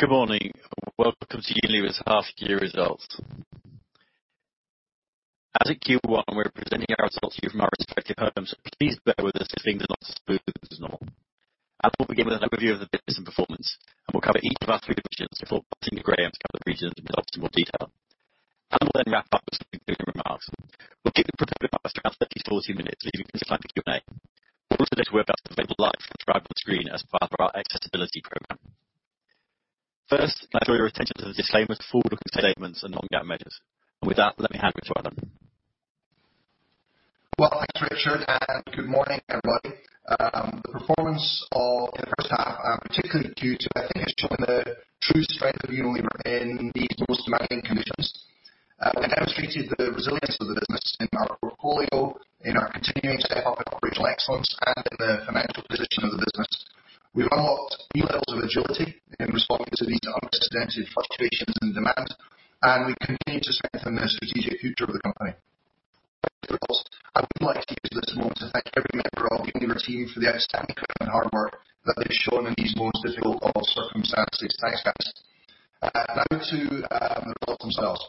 Good morning. Welcome to Unilever's half year results. As in Q1, we're presenting our results to you from our respective homes, please bear with us if things are not as smooth as normal. I will begin with an overview of the business and performance, and we will cover each of our three divisions before asking Graeme to cover the regions in much more detail. Alan will then wrap up with some concluding remarks. We will keep the prepared remarks to around 30 to 40 minutes, leaving plenty of time for Q&A. We also let word-outs available live from the type on screen as part of our Accessibility Program. First, can I draw your attention to the disclaimer to forward-looking statements and non-GAAP measures. With that, let me hand over to Alan. Thanks, Richard, and good morning, everybody. The performance in the first half, particularly Q2, I think, has shown the true strength of Unilever in these most demanding conditions. We demonstrated the resilience of the business in our portfolio, in our continuing step up in operational excellence, and in the financial position of the business. We've unlocked new levels of agility in responding to these unprecedented fluctuations in demand, and we've continued to strengthen the strategic future of the company. I would like to use this moment to thank every member of the Unilever team for the outstanding commitment and hard work that they've shown in these most difficult of circumstances. Thanks, guys. To the results themselves.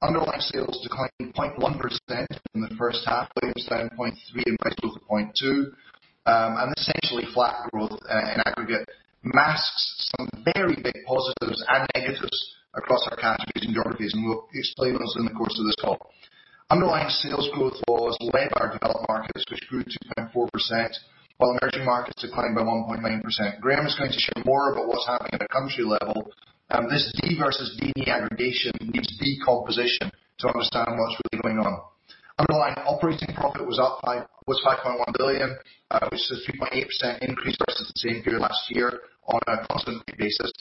Underlying sales declined 0.1% in the first half, volumes down 0.3% and price growth of 0.2%. Essentially flat growth in aggregate masks some very big positives and negatives across our categories and geographies. We'll explain those in the course of this call. Underlying sales growth was led by our developed markets, which grew 2.4%, while emerging markets declined by 1.9%. Graeme is going to share more about what's happening at a country level. This DM versus EM aggregation needs decomposition to understand what's really going on. Underlying operating profit was 5.1 billion, which is a 3.8% increase versus the same period last year on a constant rate basis.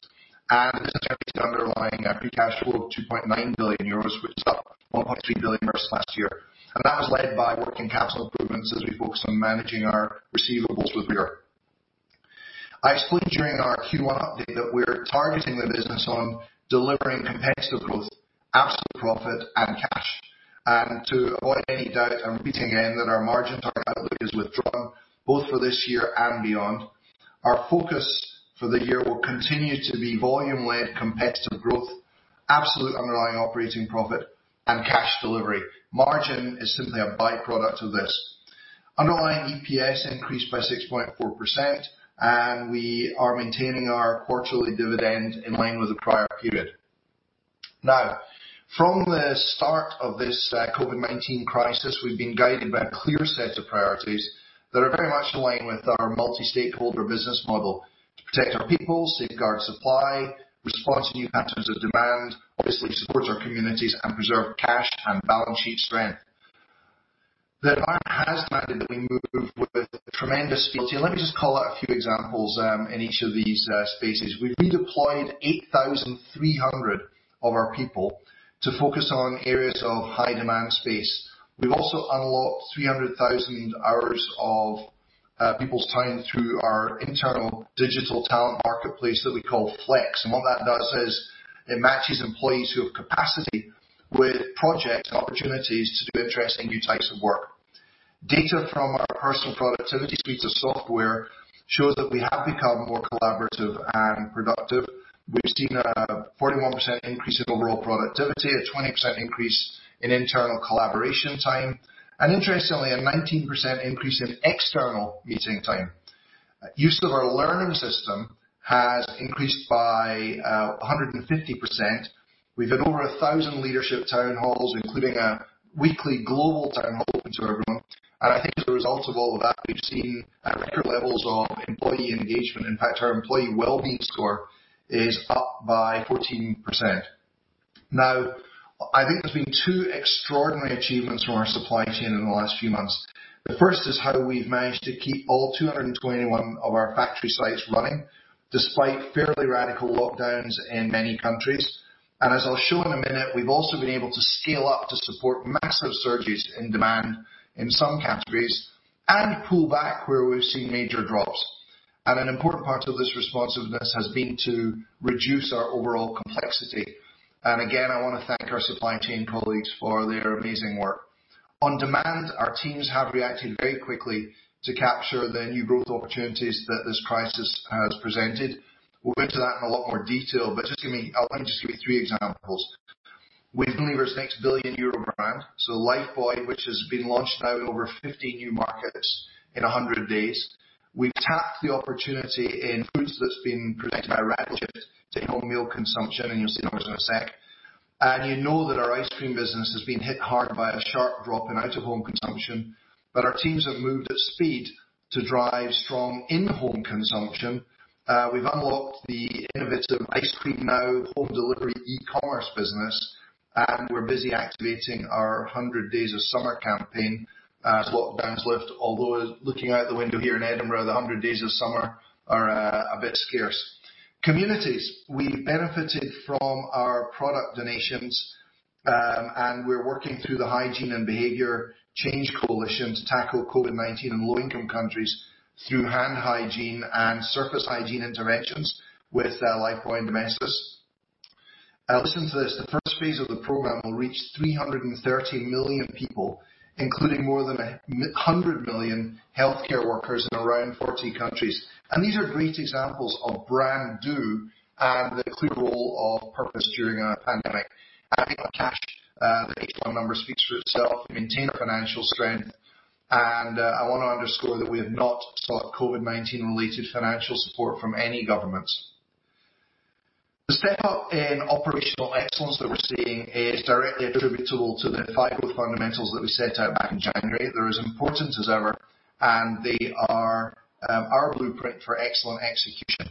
This generated underlying free cash flow of 2.9 billion euros, which is up 1.3 billion euros versus last year. That was led by working capital improvements as we focus on managing our receivables with vigor. I explained during our Q1 update that we're targeting the business on delivering competitive growth, absolute profit, and cash. To avoid any doubt, I'm repeating again that our margin target outlook is withdrawn, both for this year and beyond. Our focus for the year will continue to be volume-led competitive growth, absolute underlying operating profit, and cash delivery. Margin is simply a by-product of this. Underlying EPS increased by 6.4%, and we are maintaining our quarterly dividend in line with the prior period. Now, from the start of this COVID-19 crisis, we've been guided by a clear set of priorities that are very much in line with our multi-stakeholder business model to protect our people, safeguard supply, respond to new patterns of demand, obviously support our communities, and preserve cash and balance sheet strength. That has demanded that we move with tremendous agility. Let me just call out a few examples in each of these spaces. We've redeployed 8,300 of our people to focus on areas of high demand space. We've also unlocked 300,000 hours of people's time through our internal digital talent marketplace that we call Flex. What that does is it matches employees who have capacity with projects and opportunities to do interesting new types of work. Data from our personal productivity suites of software shows that we have become more collaborative and productive. We've seen a 41% increase in overall productivity, a 20% increase in internal collaboration time, and interestingly, a 19% increase in external meeting time. Use of our learning system has increased by 150%. We've had over 1,000 leadership town halls, including a weekly global town hall open to everyone. I think as a result of all of that, we've seen record levels of employee engagement. In fact, our employee well-being score is up by 14%. I think there's been two extraordinary achievements from our supply chain in the last few months. The first is how we've managed to keep all 221 of our factory sites running despite fairly radical lockdowns in many countries. As I'll show in a minute, we've also been able to scale up to support massive surges in demand in some categories and pull back where we've seen major drops. An important part of this responsiveness has been to reduce our overall complexity. Again, I want to thank our supply chain colleagues for their amazing work. On demand, our teams have reacted very quickly to capture the new growth opportunities that this crisis has presented. We'll go into that in a lot more detail, but I want to just give you three examples. With Unilever's next 1 billion euro brand, Lifebuoy, which has been launched now in over 50 new markets in 100 days. We've tapped the opportunity in foods that's been presented by radical shifts in home meal consumption. You'll see numbers in a sec. You know that our ice cream business has been hit hard by a sharp drop in out-of-home consumption. Our teams have moved at speed to drive strong in-home consumption. We've unlocked the innovative Ice Cream Now home delivery e-commerce business. We're busy activating our 100 Days of Summer campaign as lockdowns lift, although looking out the window here in Edinburgh, the 100 Days of Summer are a bit scarce. Communities. We've benefited from our product donations. We're working through the Hygiene and Behaviour Change Coalition to tackle COVID-19 in low income countries through hand hygiene and surface hygiene interactions with Lifebuoy and Domestos. Listen to this, the first phase of the program will reach 330 million people, including more than 100 million healthcare workers in around 40 countries. These are great examples of brand do and the clear role of purpose during a pandemic. Adding on cash, the H1 number speaks for itself. We maintain our financial strength, and I want to underscore that we have not sought COVID-19 related financial support from any governments. The step up in operational excellence that we're seeing is directly attributable to the five growth fundamentals that we set out back in January. They're as important as ever, and they are our blueprint for excellent execution.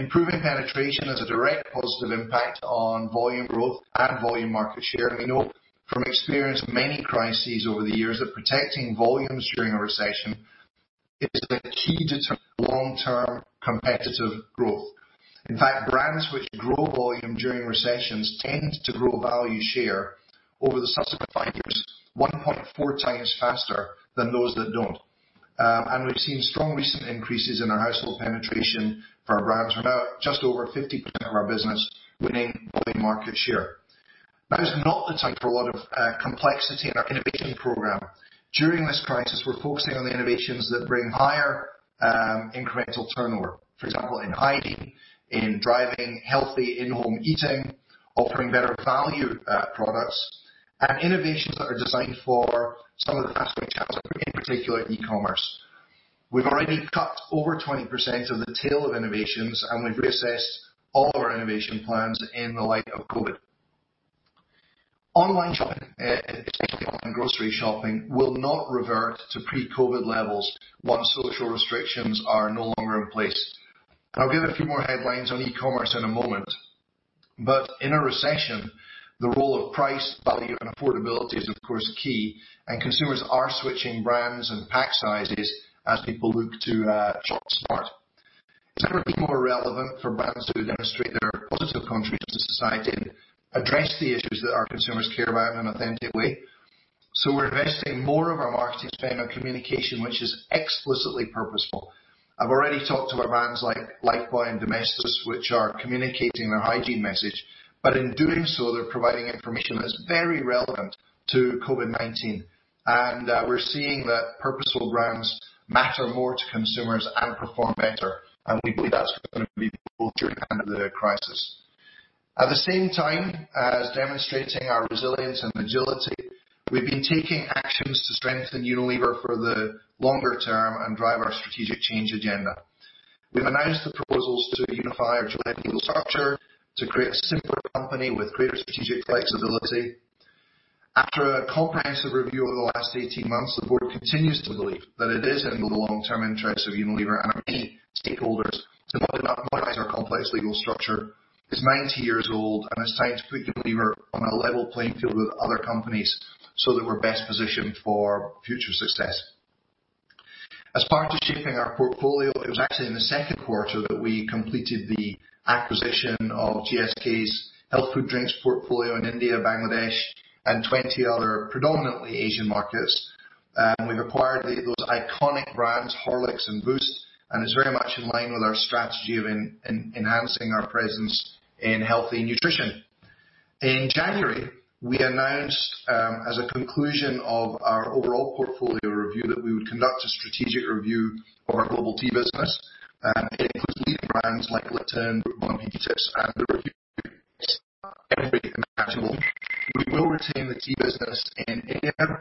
Improving penetration has a direct positive impact on volume growth and volume market share. We know from experience, many crises over the years, that protecting volumes during a recession is the key to long-term competitive growth. Brands which grow volume during recessions tend to grow value share over the subsequent five years, 1.4x faster than those that don't. We've seen strong recent increases in our household penetration for our brands. We're now just over 50% of our business winning volume market share. Now is not the time for a lot of complexity in our innovation program. During this crisis, we're focusing on the innovations that bring higher incremental turnover. For example, in hygiene, in driving healthy in-home eating, offering better value products, and innovations that are designed for some of the faster channels, in particular e-commerce. We've already cut over 20% of the tail of innovations, and we've reassessed all of our innovation plans in the light of COVID-19. Online shopping, especially online grocery shopping, will not revert to pre-COVID-19 levels once social restrictions are no longer in place. I'll give a few more headlines on e-commerce in a moment. In a recession, the role of price, value, and affordability is of course key, and consumers are switching brands and pack sizes as people look to shop smart. It's never been more relevant for brands to demonstrate their positive contributions to society and address the issues that our consumers care about in an authentic way. We're investing more of our marketing spend on communication, which is explicitly purposeful. I've already talked to our brands like Lifebuoy and Domestos, which are communicating their hygiene message. In doing so, they're providing information that's very relevant to COVID-19. We're seeing that purposeful brands matter more to consumers and perform better. We believe that's going to be during the end of the crisis. At the same time as demonstrating our resilience and agility, we've been taking actions to strengthen Unilever for the longer-term and drive our strategic change agenda. We've announced the proposals to unify our legal structure to create a simpler company with greater strategic flexibility. After a comprehensive review over the last 18 months, the board continues to believe that it is in the long-term interest of Unilever and our many stakeholders to modernize our complex legal structure. It's 90 years old, and it's time to put Unilever on a level playing field with other companies so that we're best positioned for future success. As part of shaping our portfolio, it was actually in the second quarter that we completed the acquisition of GSK's health food drinks portfolio in India, Bangladesh, and 20 other predominantly Asian markets. We've acquired those iconic brands, Horlicks and Boost, and it's very much in line with our strategy of enhancing our presence in healthy nutrition. In January, we announced, as a conclusion of our overall portfolio review, that we would conduct a strategic review of our global tea business. It includes leading brands like Lipton, Brooke Bond, and PG Tips and the review is every imaginable. We will retain the tea business in India and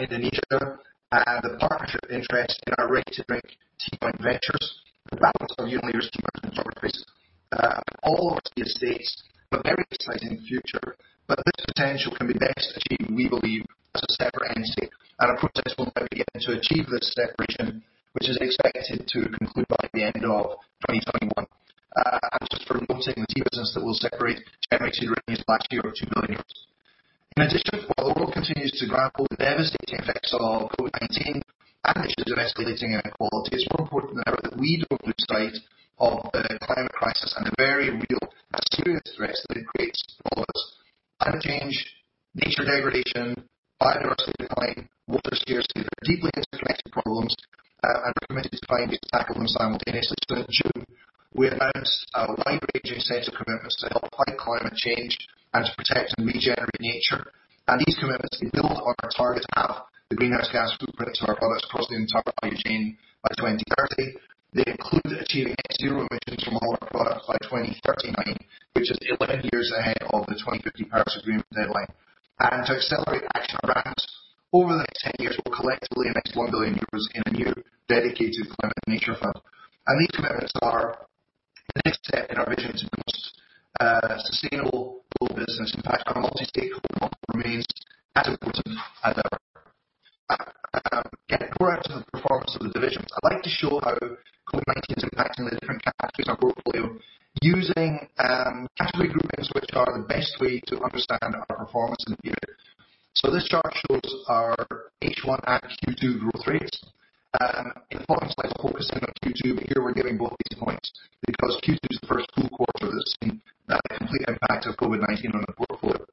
Indonesia, and the partnership interest in our ready to drink tea joint ventures, the balance of Unilever's consumer geographies, and all of the estates, but very exciting future. This potential can be best achieved, we believe, as a separate entity, and a process will now begin to achieve this separation, which is expected to conclude by the end of 2021. Just for noting, the tea business that will separate should make between zero and 2 billion. In addition, while the world continues to grapple with the devastating effects of COVID-19 and issues of escalating inequality, it's more important now that we don't lose sight of the climate crisis and the very real and serious risks that it creates for all of us. Climate change, nature degradation, biodiversity decline, water scarcity, they're deeply interconnected problems, and we're committed to finding ways to tackle them simultaneously. In June, we announced a wide-ranging set of commitments to help fight climate change and to protect and regenerate nature. These commitments, they build on our target to halve the greenhouse gas footprints of our products across the entire value chain by 2030. They include achieving net zero emissions from all of our products by 2039, which is 11 years ahead of the 2050 Paris Agreement deadline. To accelerate action around, over the next 10 years, we'll collectively invest 1 billion euros in a new dedicated climate and nature fund. These commitments are the next step in our vision to boost sustainable global business impact. Our multi-stakeholder model remains as important as ever. Getting core out to the performance of the divisions. I'd like to show how COVID-19 is impacting the different categories in our portfolio using category groupings, which are the best way to understand our performance in the period. This chart shows our H1 and Q2 growth rates. In the following slides, we'll focus in on Q2, but here we're giving both these points because Q2 is the first full quarter that's seen the complete impact of COVID-19 on the portfolio.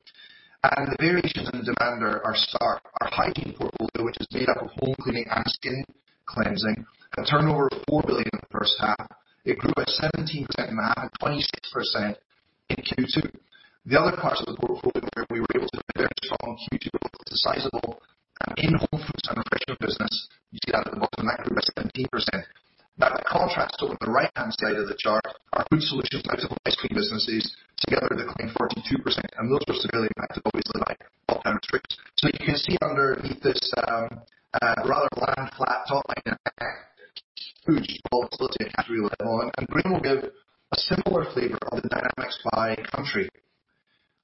The variations in the demand are stark. Our hygiene portfolio, which is made up of home cleaning and skin cleansing, had a turnover of 4 billion in the first half. It grew by 17% first half and 26% in Q2. The other parts of the portfolio where we were able to deliver strong Q2 growth is the sizable in-home Foods & Refreshment business. You see that at the bottom, that grew by 17%. The contrast though, on the right-hand side of the chart, our food solutions and out of home ice cream businesses together declined 42%, and those are severely impacted, obviously, by lockdown restrictions. You can see underneath this rather bland, flat top line impact, huge volatility at category level, and Graeme will give a similar flavor of the dynamics by country.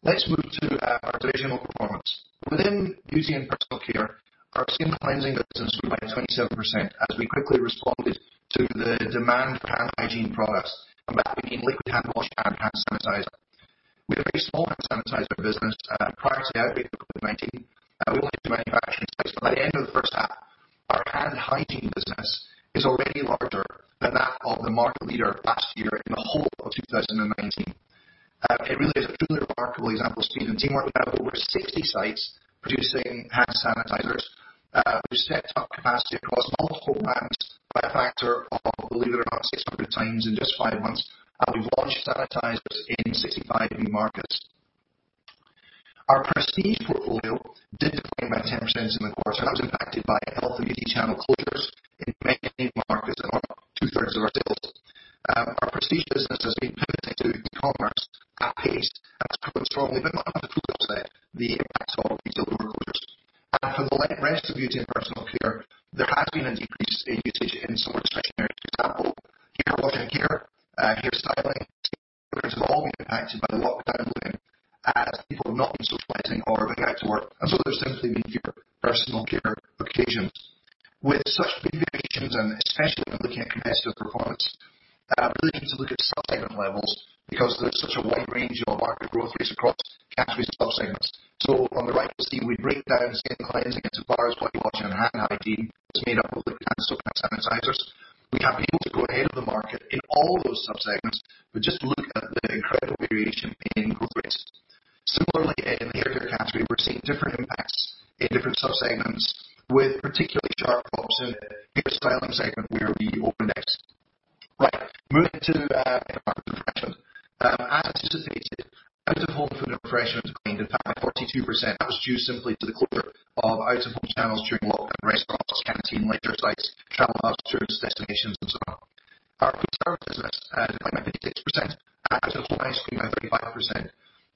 Let's move to our divisional performance. Within Beauty & Personal Care, our skin cleansing business grew by 27% as we quickly responded to the demand for hand hygiene products, and that being liquid hand wash and hand sanitizer. We had a very small hand sanitizer business prior to the outbreak of COVID-19, and we only had two manufacturing sites. By the end of the first half, our hand hygiene business is already larger than that of the market leader last year in the whole of 2019. It really is a truly remarkable example of speed and teamwork. We now have over 60 sites producing hand sanitizers. We've stepped up capacity across multiple plants by a factor of, believe it or not, 600x in just five months. We've launched sanitizers in 65 new markets. Our prestige portfolio did decline by 10% in the quarter. That was impacted by health and beauty channel closures in many markets and on 2/3 of our sales. Our prestige business has been pivoted to e-commerce at pace and has grown strongly, but not enough to offset the impact of retail store closures. For the rest of Beauty & Personal Care, there has been a decrease in usage in some of the discretionary examples. Hair washing, hair styling, colorants have all been impacted by the lockdown living as people have not been socializing or going out to work. There's simply been fewer personal care occasions. With such big variations, and especially when looking at competitive performance, we really need to look at subsegment levels because there's such a wide range of market growth rates across categories and subsegments. On the right you'll see we break down skin cleansing into bars, body wash, and hand hygiene, which is made up of liquid hand soap and sanitizers. We have been able to grow ahead of the market in all of those subsegments, but just look at the incredible variation in growth rates. Similarly, in the hair care category, we're seeing different impacts in different subsegments with particularly sharp drops in hair styling segment where we opened next. Right, moving to Foods & Refreshment. As anticipated, out of home food and refreshment declined in fact by 42%. That was due simply to the closure of out-of-home channels during lockdown, restaurants, canteen, leisure sites, travel hubs, tourist destinations, and so on. Our foodservice business declined by 56%, and out of home ice cream by 35%.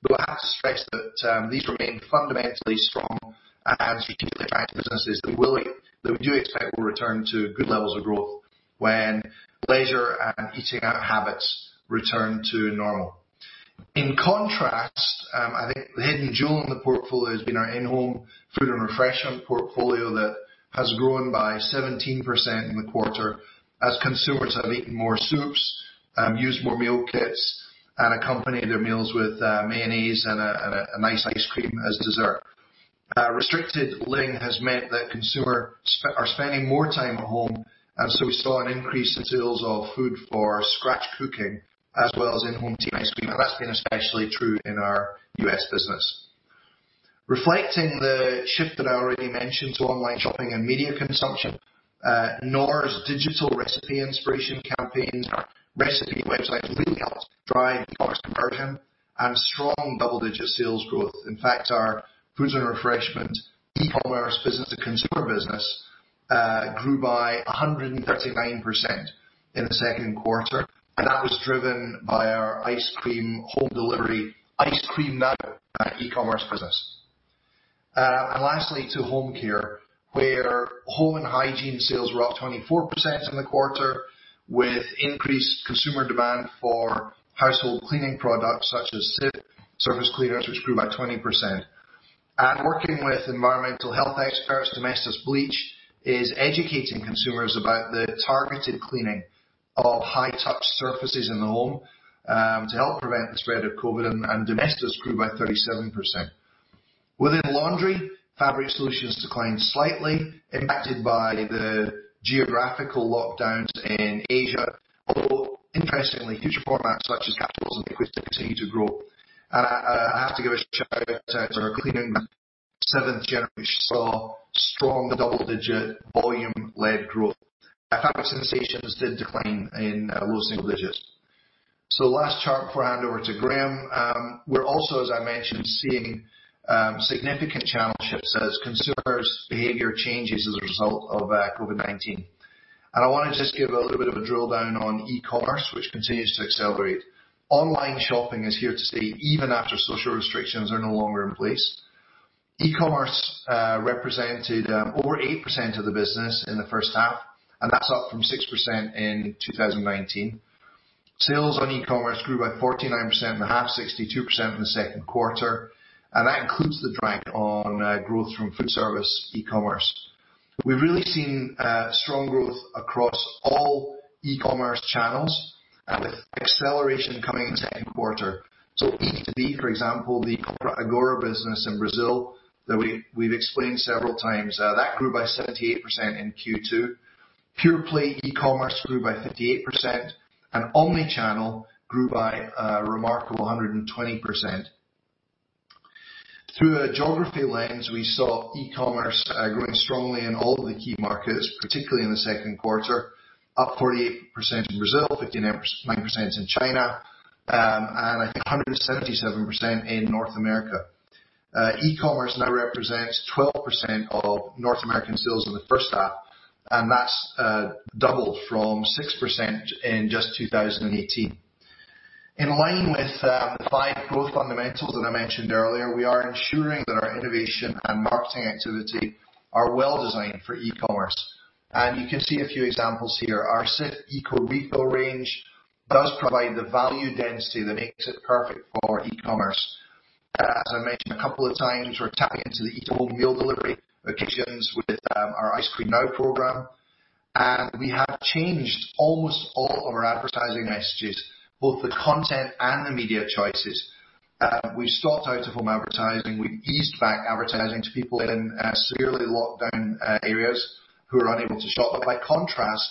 Though I have to stress that these remain fundamentally strong and strategically attractive businesses that we do expect will return to good levels of growth when leisure and eating out habits return to normal. In contrast, I think the hidden jewel in the portfolio has been our in-home food and refreshment portfolio that has grown by 17% in the quarter as consumers have eaten more soups, used more meal kits, and accompanied their meals with mayonnaise and a nice ice cream as dessert. Restricted living has meant that consumers are spending more time at home, we saw an increase in sales of food for scratch cooking as well as in-home tea and ice cream, that's been especially true in our U.S. business. Reflecting the shift that I already mentioned to online shopping and media consumption, Knorr's digital recipe inspiration campaigns and our recipe websites really helped drive e-commerce conversion and strong double-digit sales growth. In fact, our Foods & Refreshment e-commerce business to consumer business grew by 139% in the second quarter, that was driven by our ice cream home delivery, Ice Cream Now e-commerce business. Lastly to Home Care, where home and hygiene sales were up 24% in the quarter with increased consumer demand for household cleaning products such as Cif surface cleaners, which grew by 20%. Working with environmental health experts, Domestos bleach is educating consumers about the targeted cleaning of high-touch surfaces in the home to help prevent the spread of COVID, Domestos grew by 37%. Within laundry, fabric solutions declined slightly, impacted by the geographical lockdowns in Asia, although interestingly, future formats such as capsules and liquids continue to grow. I have to give a shout-out to our cleaning brand, Seventh Generation, which saw strong double-digit volume-led growth. Fabric softeners did decline in low-single digits. The last chart before I hand over to Graeme. We're also, as I mentioned, seeing significant channel shifts as consumers' behavior changes as a result of COVID-19. I want to just give a little bit of a drill down on e-commerce, which continues to accelerate. Online shopping is here to stay even after social restrictions are no longer in place. E-commerce represented over 8% of the business in the first half. That's up from 6% in 2019. Sales on e-commerce grew by 49% in the half, 62% in the second quarter. That includes the drag on growth from foodservice e-commerce. We've really seen strong growth across all e-commerce channels, with acceleration coming in the second quarter. eB2B, for example, the Compra Agora business in Brazil that we've explained several times, that grew by 78% in Q2. Pure-play e-commerce grew by 58%. Omni-channel grew by a remarkable 120%. Through a geography lens, we saw e-commerce growing strongly in all of the key markets, particularly in the second quarter, up 48% in Brazil, 59% in China. I think 177% in North America. E-commerce now represents 12% of North American sales in the first half. That's doubled from 6% in just 2018. In line with the five growth fundamentals that I mentioned earlier, we are ensuring that our innovation and marketing activity are well-designed for e-commerce. You can see a few examples here. Our Cif ecorefill range does provide the value density that makes it perfect for e-commerce. As I mentioned a couple of times, we're tapping into the eat-at-home meal delivery occasions with our Ice Cream Now program. We have changed almost all of our advertising messages, both the content and the media choices. We've stopped out-of-home advertising. We've eased back advertising to people in severely locked down areas who are unable to shop. By contrast,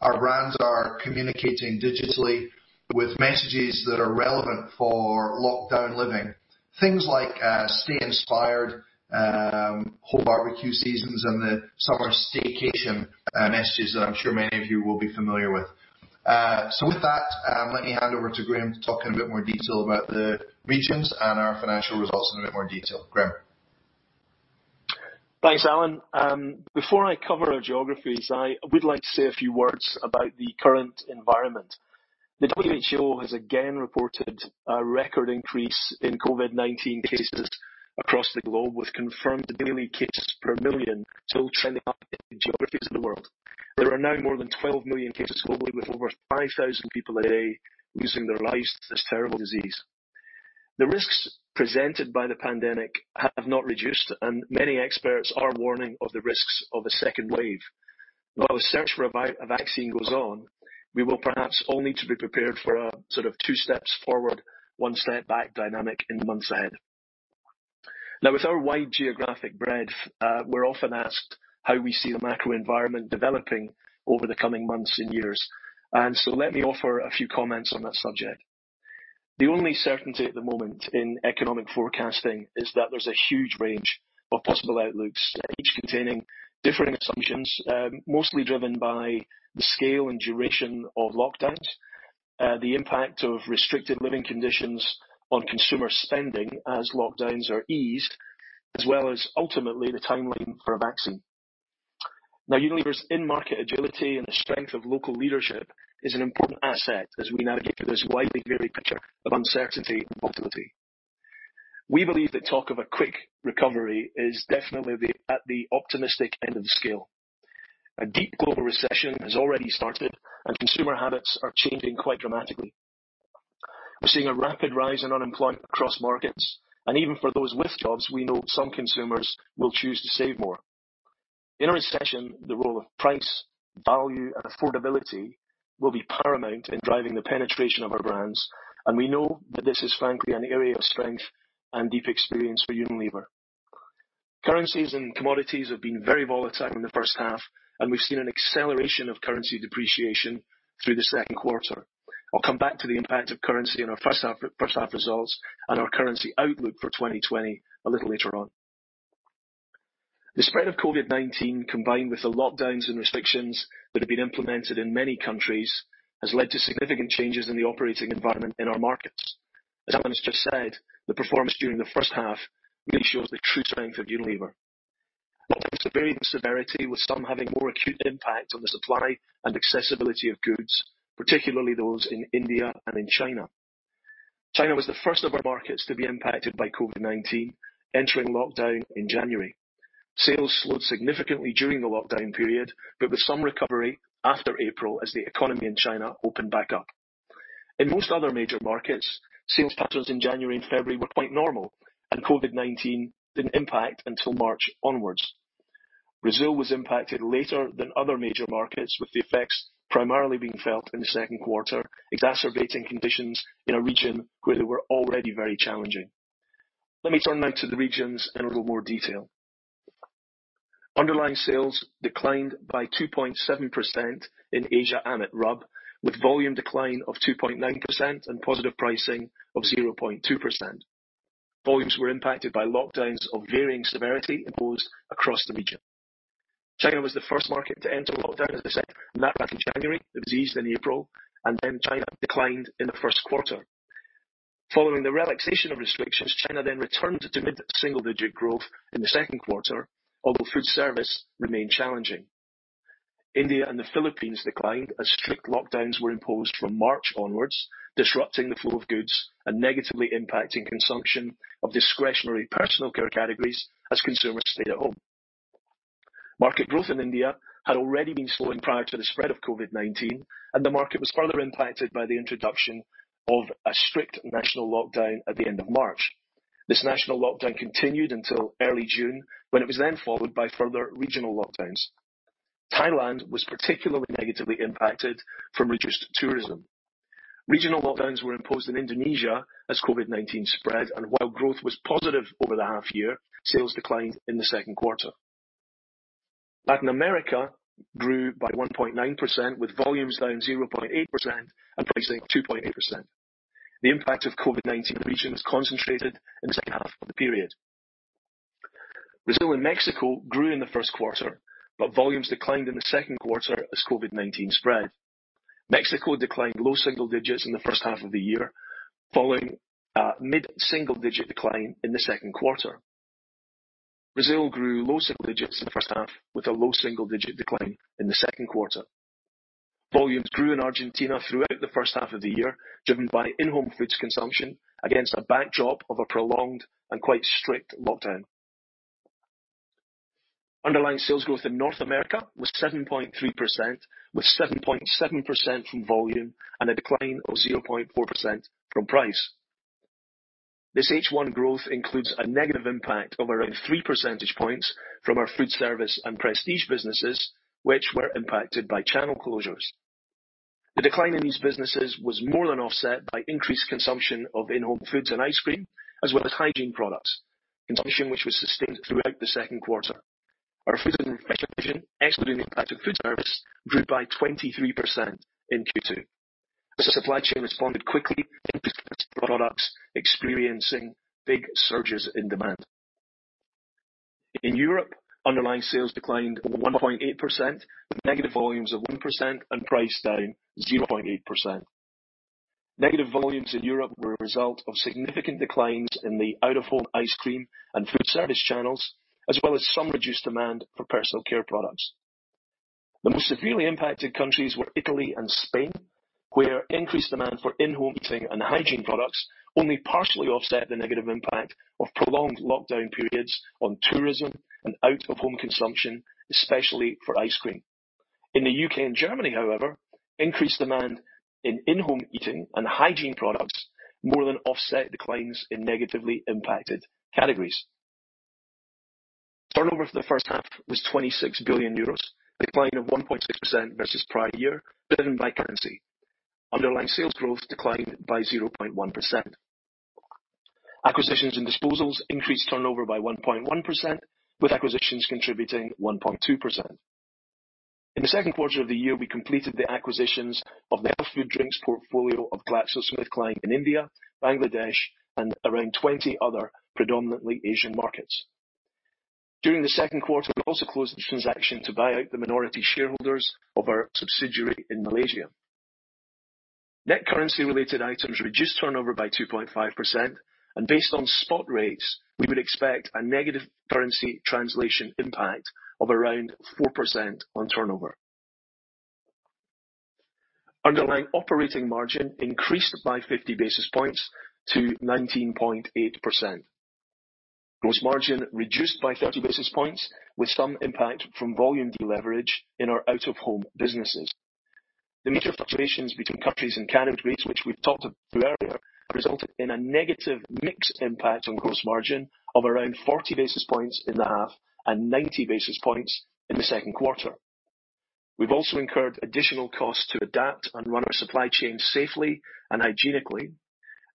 our brands are communicating digitally with messages that are relevant for lockdown living. Things like Stay Inspired, home barbecue seasons, and the summer staycation messages that I'm sure many of you will be familiar with. With that, let me hand over to Graeme to talk in a bit more detail about the regions and our financial results in a bit more detail. Graeme. Thanks, Alan. Before I cover our geographies, I would like to say a few words about the current environment. The WHO has again reported a record increase in COVID-19 cases across the globe, with confirmed daily cases per million still trending up in geographies of the world. There are now more than 12 million cases globally, with over 5,000 people a day losing their lives to this terrible disease. The risks presented by the pandemic have not reduced, and many experts are warning of the risks of a second wave. While the search for a vaccine goes on, we will perhaps all need to be prepared for a sort of two steps forward, one step back dynamic in the months ahead. With our wide geographic breadth, we're often asked how we see the macro environment developing over the coming months and years. Let me offer a few comments on that subject. The only certainty at the moment in economic forecasting is that there's a huge range of possible outlooks, each containing differing assumptions, mostly driven by the scale and duration of lockdowns, the impact of restricted living conditions on consumer spending as lockdowns are eased, as well as ultimately the timeline for a vaccine. Unilever's in-market agility and the strength of local leadership is an important asset as we navigate through this widely varied picture of uncertainty and volatility. We believe that talk of a quick recovery is definitely at the optimistic end of the scale. A deep global recession has already started. Consumer habits are changing quite dramatically. We're seeing a rapid rise in unemployment across markets, and even for those with jobs, we know some consumers will choose to save more. In a recession, the role of price, value, and affordability will be paramount in driving the penetration of our brands, and we know that this is frankly an area of strength and deep experience for Unilever. Currencies and commodities have been very volatile in the first half, and we've seen an acceleration of currency depreciation through the second quarter. I'll come back to the impact of currency on our first half results and our currency outlook for 2020 a little later on. The spread of COVID-19, combined with the lockdowns and restrictions that have been implemented in many countries, has led to significant changes in the operating environment in our markets. As Alan has just said, the performance during the first half really shows the true strength of Unilever. Although it's of varying severity, with some having more acute impact on the supply and accessibility of goods, particularly those in India and in China. China was the first of our markets to be impacted by COVID-19, entering lockdown in January. Sales slowed significantly during the lockdown period, but with some recovery after April as the economy in China opened back up. In most other major markets, sales patterns in January and February were quite normal, and COVID-19 didn't impact until March onwards. Brazil was impacted later than other major markets, with the effects primarily being felt in the second quarter, exacerbating conditions in a region where they were already very challenging. Let me turn now to the regions in a little more detail. Underlying sales declined by 2.7% in Asia/AMET/RUB, with volume decline of 2.9% and positive pricing of 0.2%. Volumes were impacted by lockdowns of varying severity imposed across the region. China was the first market to enter lockdown, as I said, back in January. It was eased in April. China declined in the first quarter. Following the relaxation of restrictions, China returned to mid-single digit growth in the second quarter, although food service remained challenging. India and the Philippines declined as strict lockdowns were imposed from March onwards, disrupting the flow of goods and negatively impacting consumption of discretionary personal care categories as consumers stayed at home. Market growth in India had already been slowing prior to the spread of COVID-19, and the market was further impacted by the introduction of a strict national lockdown at the end of March. This national lockdown continued until early June, when it was then followed by further regional lockdowns. Thailand was particularly negatively impacted from reduced tourism. Regional lockdowns were imposed in Indonesia as COVID-19 spread, and while growth was positive over the half year, sales declined in the second quarter. Latin America grew by 1.9% with volumes down 0.8% and pricing 2.8%. The impact of COVID-19 in the region was concentrated in the second half of the period. Brazil and Mexico grew in the first quarter, but volumes declined in the second quarter as COVID-19 spread. Mexico declined low-single digits in the first half of the year, following a mid-single digit decline in the second quarter. Brazil grew low-single digits in the first half with a low-single digit decline in the second quarter. Volumes grew in Argentina throughout the first half of the year, driven by in-home foods consumption against a backdrop of a prolonged and quite strict lockdown. Underlying sales growth in North America was 7.3%, with 7.7% from volume and a decline of 0.4% from price. This H1 growth includes a negative impact of around three percentage points from our food service and prestige businesses, which were impacted by channel closures. The decline in these businesses was more than offset by increased consumption of in-home foods and ice cream, as well as hygiene products, consumption which was sustained throughout the second quarter. Our Foods & Refreshment division, excluding the impact of food service, grew by 23% in Q2 as the supply chain responded quickly to increase products experiencing big surges in demand. In Europe, underlying sales declined 1.8% with negative volumes of 1% and price down 0.8%. Negative volumes in Europe were a result of significant declines in the out-of-home ice cream and food service channels, as well as some reduced demand for personal care products. The most severely impacted countries were Italy and Spain, where increased demand for in-home eating and hygiene products only partially offset the negative impact of prolonged lockdown periods on tourism and out-of-home consumption, especially for ice cream. In the U.K. and Germany, however, increased demand in in-home eating and hygiene products more than offset declines in negatively impacted categories. Turnover for the first half was 26 billion euros, a decline of 1.6% versus prior year, driven by currency. Underlying sales growth declined by 0.1%. Acquisitions and disposals increased turnover by 1.1%, with acquisitions contributing 1.2%. In the second quarter of the year, we completed the acquisitions of the health food drinks portfolio of GlaxoSmithKline in India, Bangladesh, and around 20 other predominantly Asian markets. During the second quarter, we also closed the transaction to buy out the minority shareholders of our subsidiary in Malaysia. Net currency related items reduced turnover by 2.5% and based on spot rates, we would expect a negative currency translation impact of around 4% on turnover. Underlying operating margin increased by 50 basis points to 19.8%. Gross margin reduced by 30 basis points with some impact from volume deleverage in our out-of-home businesses. The major fluctuations between countries and category rates, which we've talked through earlier, resulted in a negative mix impact on gross margin of around 40 basis points in the half and 90 basis points in the second quarter. We've also incurred additional costs to adapt and run our supply chain safely and hygienically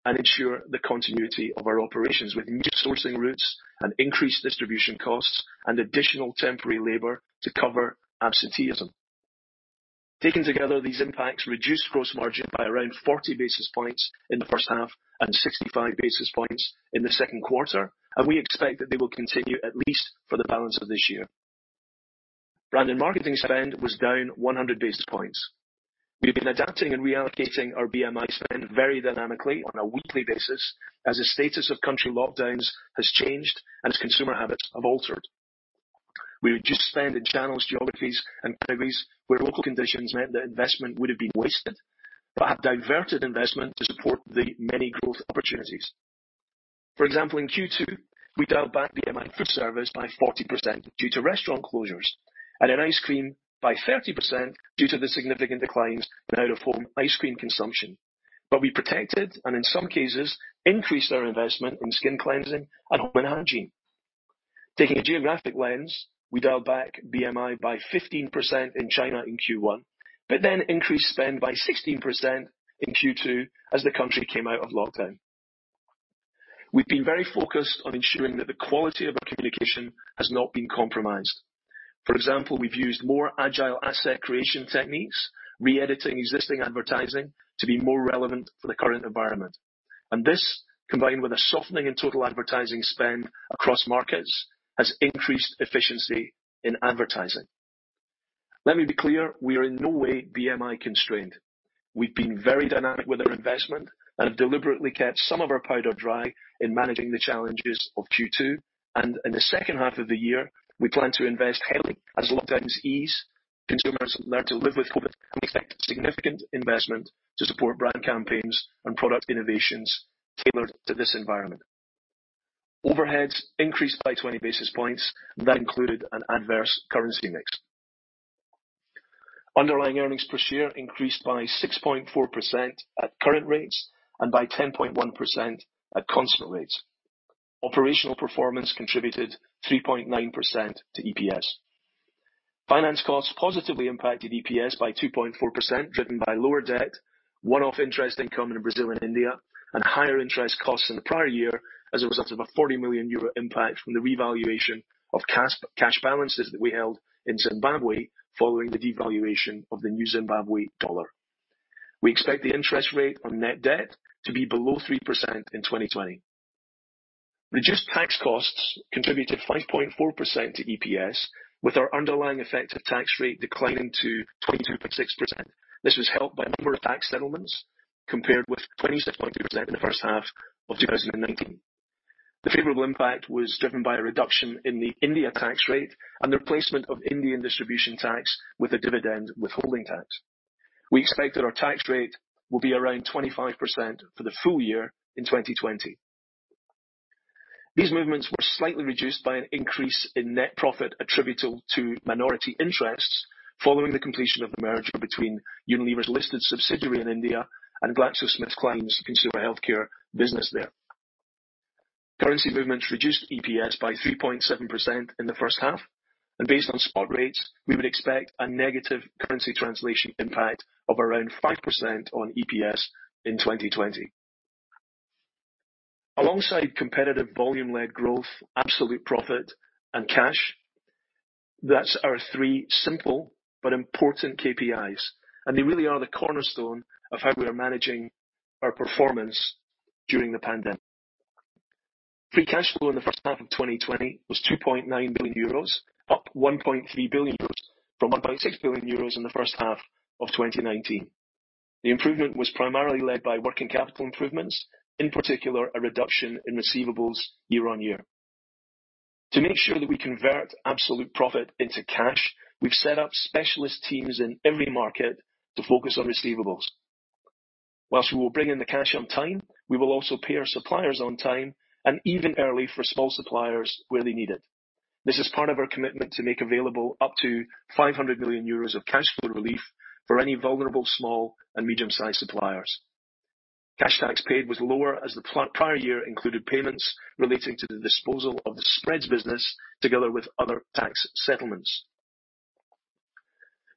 and ensure the continuity of our operations with new sourcing routes and increased distribution costs and additional temporary labor to cover absenteeism. Taken together, these impacts reduced gross margin by around 40 basis points in the first half and 65 basis points in the second quarter, and we expect that they will continue at least for the balance of this year. Brand and marketing spend was down 100 basis points. We've been adapting and reallocating our BMI spend very dynamically on a weekly basis as the status of country lockdowns has changed and as consumer habits have altered. We reduced spend in channels, geographies, and categories where local conditions meant that investment would have been wasted, but have diverted investment to support the many growth opportunities. For example, in Q2, we dialed back BMI food service by 40% due to restaurant closures and in ice cream by 30% due to the significant declines in out-of-home ice cream consumption. We protected and, in some cases, increased our investment in skin cleansing and home and hygiene. Taking a geographic lens, we dialed back BMI by 15% in China in Q1, but then increased spend by 16% in Q2 as the country came out of lockdown. We've been very focused on ensuring that the quality of our communication has not been compromised. For example, we've used more agile asset creation techniques, re-editing existing advertising to be more relevant for the current environment. This, combined with a softening in total advertising spend across markets, has increased efficiency in advertising. Let me be clear, we are in no way BMI constrained. We've been very dynamic with our investment and have deliberately kept some of our powder dry in managing the challenges of Q2. In the second half of the year, we plan to invest heavily as lockdowns ease, consumers learn to live with COVID, and we expect significant investment to support brand campaigns and product innovations tailored to this environment. Overheads increased by 20 basis points. That included an adverse currency mix. Underlying earnings per share increased by 6.4% at current rates and by 10.1% at constant rates. Operational performance contributed 3.9% to EPS. Finance costs positively impacted EPS by 2.4%, driven by lower debt, one-off interest income in Brazil and India, and higher interest costs in the prior year as a result of a 40 million euro impact from the revaluation of cash balances that we held in Zimbabwe following the devaluation of the new Zimbabwe dollar. We expect the interest rate on net debt to be below 3% in 2020. Reduced tax costs contributed 5.4% to EPS, with our underlying effective tax rate declining to 22.6%. This was helped by a number of tax settlements compared with 26.2% in the first half of 2019. The favorable impact was driven by a reduction in the India tax rate and the replacement of Indian distribution tax with a dividend withholding tax. We expect that our tax rate will be around 25% for the full year in 2020. These movements were slightly reduced by an increase in net profit attributable to minority interests following the completion of the merger between Unilever's listed subsidiary in India and GlaxoSmithKline's consumer healthcare business there. Currency movements reduced EPS by 3.7% in the first half. Based on spot rates, we would expect a negative currency translation impact of around 5% on EPS in 2020. Alongside competitive volume-led growth, absolute profit, and cash, that's our three simple but important KPIs. They really are the cornerstone of how we are managing our performance during the pandemic. Free cash flow in the first half of 2020 was 2.9 billion euros, up 1.3 billion euros from 1.6 billion euros in the first half of 2019. The improvement was primarily led by working capital improvements, in particular, a reduction in receivables year on year. To make sure that we convert absolute profit into cash, we've set up specialist teams in every market to focus on receivables. Whilst we will bring in the cash on time, we will also pay our suppliers on time and even early for small suppliers where they need it. This is part of our commitment to make available up to 500 million euros of cash flow relief for any vulnerable small and medium-sized suppliers. Cash tax paid was lower as the prior year included payments relating to the disposal of the spreads business together with other tax settlements.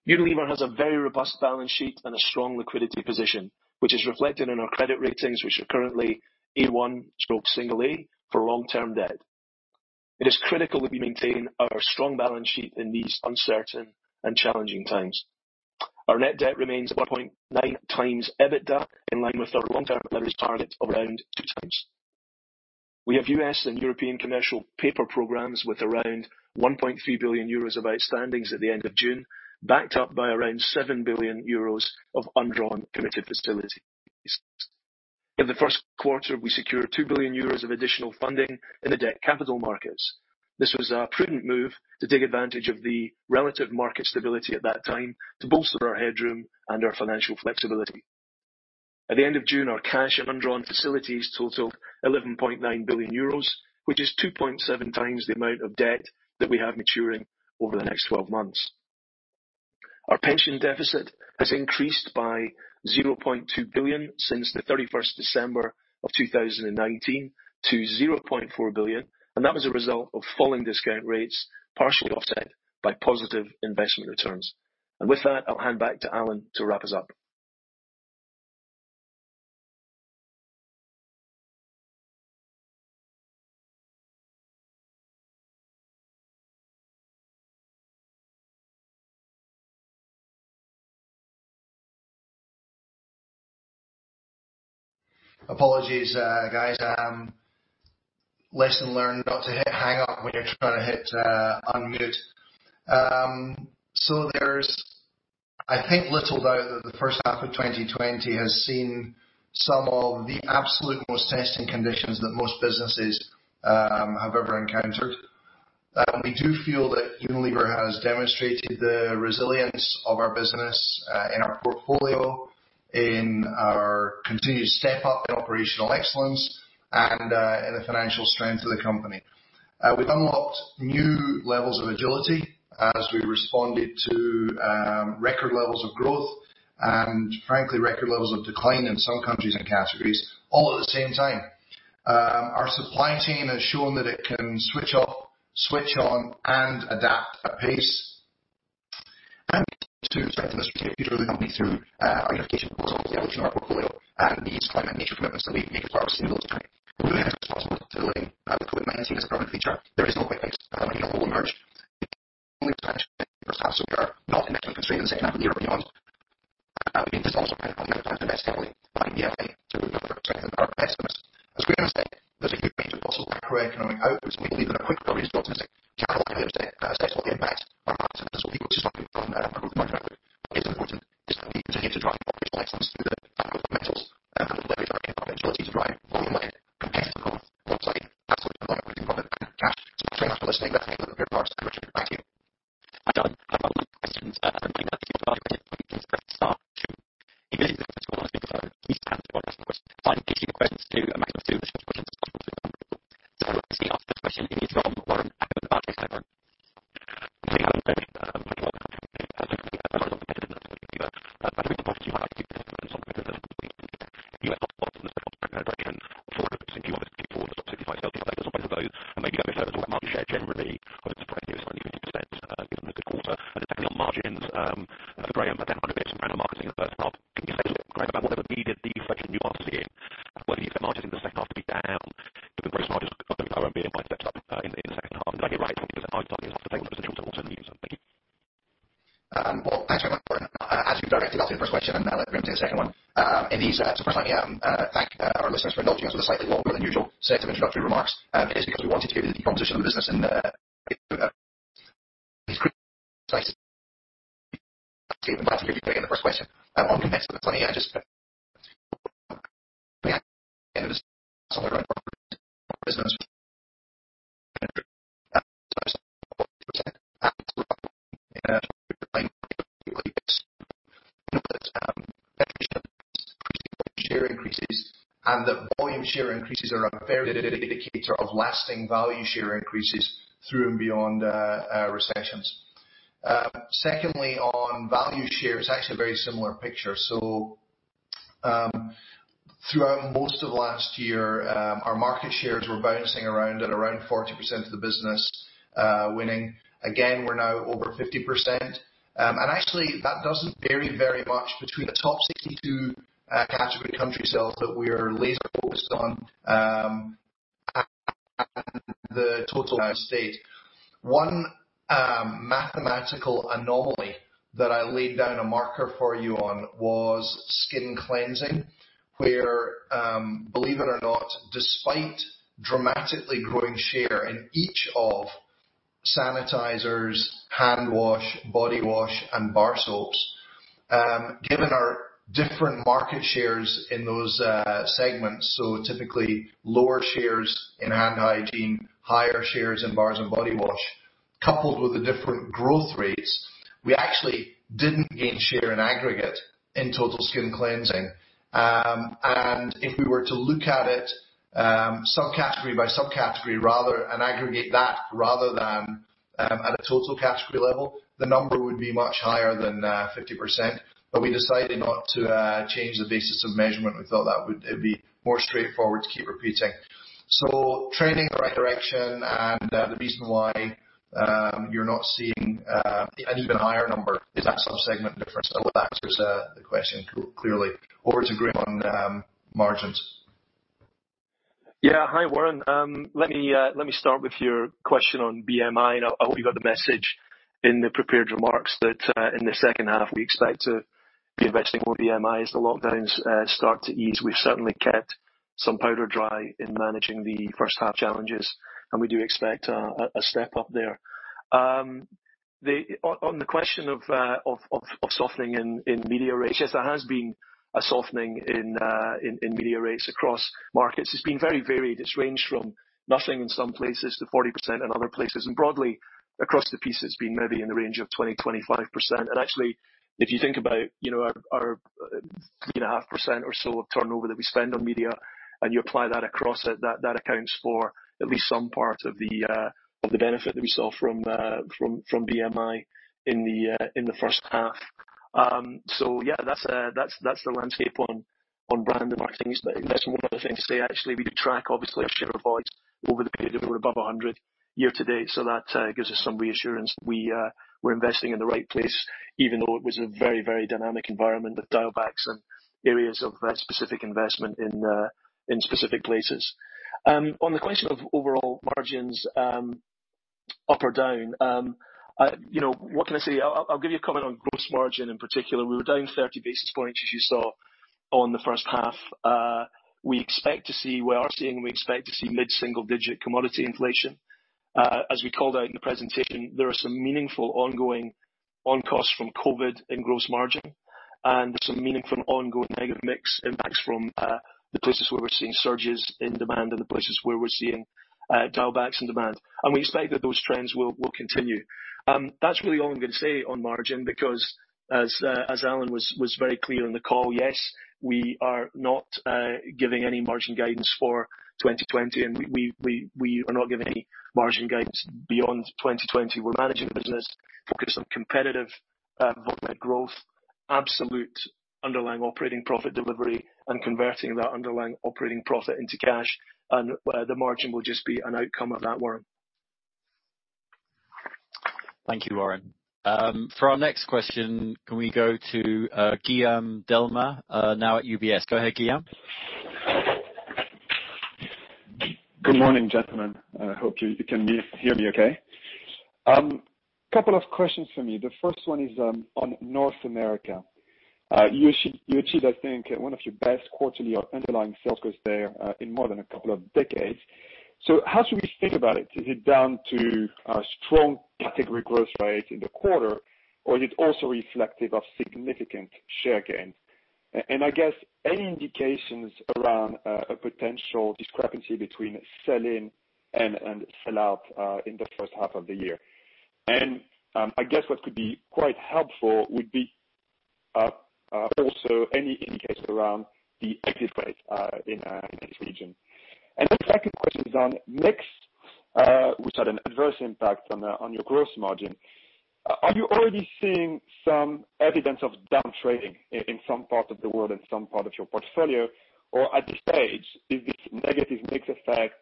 Unilever has a very robust balance sheet and a strong liquidity position, which is reflected in our credit ratings, which are currently A1/single A for long-term debt. It is critical that we maintain our strong balance sheet in these uncertain and challenging times. Our net debt remains 1.9x EBITDA, in line with our long-term leverage target of around 2x. We have U.S. and European commercial paper programs with around 1.3 billion euros of outstandings at the end of June, backed up by around 7 billion euros of undrawn committed facilities. In the first quarter, we secured 2 billion euros of additional funding in the debt capital markets. This was a prudent move to take advantage of the relative market stability at that time to bolster our headroom and our financial flexibility. At the end of June, our cash and undrawn facilities totaled 11.9 billion euros, which is 2.7x the amount of debt that we have maturing over the next 12 months. Our pension deficit has increased by 0.2 billion since the 31st December of 2019 to 0.4 billion, that was a result of falling discount rates, partially offset by positive investment returns. With that, I'll hand back to Alan to wrap us up. Apologies, guys. Lesson learned not to hit hang up when you're trying to hit unmute. There's, I think, little doubt that the first half of 2020 has seen some of the absolute most testing conditions that most businesses have ever encountered. We do feel that Unilever has demonstrated the resilience of our business in our portfolio, in our continued step up in operational excellence, and in the financial strength of the company. We've unlocked new levels of agility as we responded to record levels of growth, and frankly, record levels of decline in some countries and categories, all at the same time. Our supply chain has shown that it can switch off, switch on, and adapt at pace. To strengthen the strategic future of the company through our unification portfolio, the evolution of our portfolio, and the climate and nature commitments that we made as part of Sustainable 2030. We know it is possible to delay the COVID-19 as a permanent feature. There is no quick fix, and a new normal will emerge. Only expansion of 30%, so we are not income constrained in the second half of the year or beyond. We have planned to invest heavily behind the FA through the first half, and are optimists. As Graeme said, there's a huge range of possible macroeconomic outcomes. We believe in a quick recovery is optimistic. Cash is what they invest, our balance sheet is what people see. I think from a growth are a very good indicator of lasting value share increases through and beyond recessions. Secondly, on value share, it's actually a very similar picture. Throughout most of last year, our market shares were bouncing around at around 40% of the business winning. Again, we're now over 50%. Actually, that doesn't vary very much between the top 62 category country sales that we are laser focused on and the total United States. One mathematical anomaly that I laid down a marker for you on was skin cleansing, where believe it or not, despite dramatically growing share in each of sanitizers, hand wash, body wash, and bar soaps, given our different market shares in those segments, so typically lower shares in hand hygiene, higher shares in bars and body wash, coupled with the different growth rates, we actually didn't gain share in aggregate in total skin cleansing. If we were to look at it subcategory by subcategory and aggregate that rather than at a total category level, the number would be much higher than 50%, but we decided not to change the basis of measurement. We felt that it'd be more straightforward to keep repeating. Trending in the right direction and the reason why you're not seeing an even higher number is that sub-segment difference. I hope that answers the question clearly. Over to Graeme on margins. Hi, Warren. Let me start with your question on BMI. I hope you got the message in the prepared remarks that in the second half, we expect to be investing more BMIs. The lockdowns start to ease. We've certainly kept some powder dry in managing the first half challenges. We do expect a step up there. On the question of softening in media rates, yes, there has been a softening in media rates across markets. It's been very varied. It's ranged from nothing in some places to 40% in other places. Broadly, across the piece, it's been maybe in the range of 20%-25%. Actually, if you think about our 3.5% or so of turnover that we spend on media, and you apply that across it, that accounts for at least some part of the benefit that we saw from BMI in the first half. Yeah, that's the landscape on brand and marketing investment. One other thing to say, actually, we do track, obviously, our share of voice over the period that we're above 100 year to date, that gives us some reassurance. We're investing in the right place, even though it was a very dynamic environment with dial backs and areas of specific investment in specific places. On the question of overall margins up or down, what can I say? I'll give you a comment on gross margin in particular. We were down 30 basis points, as you saw, on the first half. We are seeing, and we expect to see mid-single-digit commodity inflation. As we called out in the presentation, there are some meaningful ongoing on-costs from COVID in gross margin, and there's some meaningful ongoing negative mix impacts from the places where we're seeing surges in demand and the places where we're seeing dial backs in demand. We expect that those trends will continue. That's really all I'm going to say on margin because as Alan was very clear on the call, yes, we are not giving any margin guidance for 2020, and we are not giving any margin guidance beyond 2020. We're managing the business focused on competitive volume growth, absolute underlying operating profit delivery, and converting that underlying operating profit into cash, and the margin will just be an outcome of that, Warren. Thank you, Warren. For our next question, can we go to Guillaume Delmas, now at UBS. Go ahead, Guillaume. Good morning, gentlemen. I hope you can hear me okay. Couple of questions for me. The first one is on North America. You achieved, I think, one of your best quarterly or underlying sales growth there in more than a couple of decades. How should we think about it? Is it down to strong category growth rates in the quarter, or is it also reflective of significant share gains? I guess any indications around a potential discrepancy between sell-in and sell out in the first half of the year. I guess what could be quite helpful would be also any indicators around the exit rate in this region. The second question is on mix, which had an adverse impact on your gross margin. Are you already seeing some evidence of downtrading in some parts of the world, in some part of your portfolio? At this stage, is this negative mix effect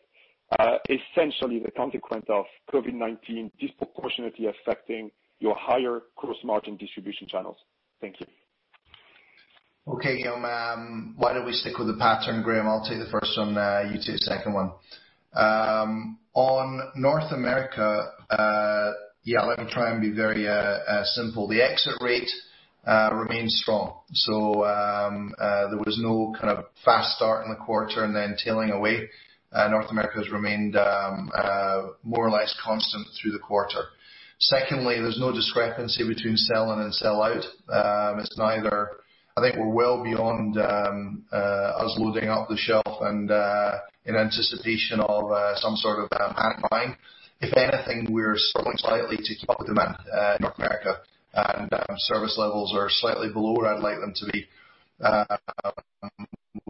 essentially the consequence of COVID-19 disproportionately affecting your higher gross margin distribution channels? Thank you. Okay, Guillaume. Why don't we stick with the pattern, Graeme? I'll take the first one, you take the second one. On North America, yeah, let me try and be very simple. The exit rate remains strong. There was no kind of fast start in the quarter and then tailing away. North America has remained more or less constant through the quarter. Secondly, there's no discrepancy between sell in and sell out. I think we're well beyond us loading up the shelf and in anticipation of some sort of panic buying. If anything, we're struggling slightly to keep up with demand, North America, and service levels are slightly below where I'd like them to be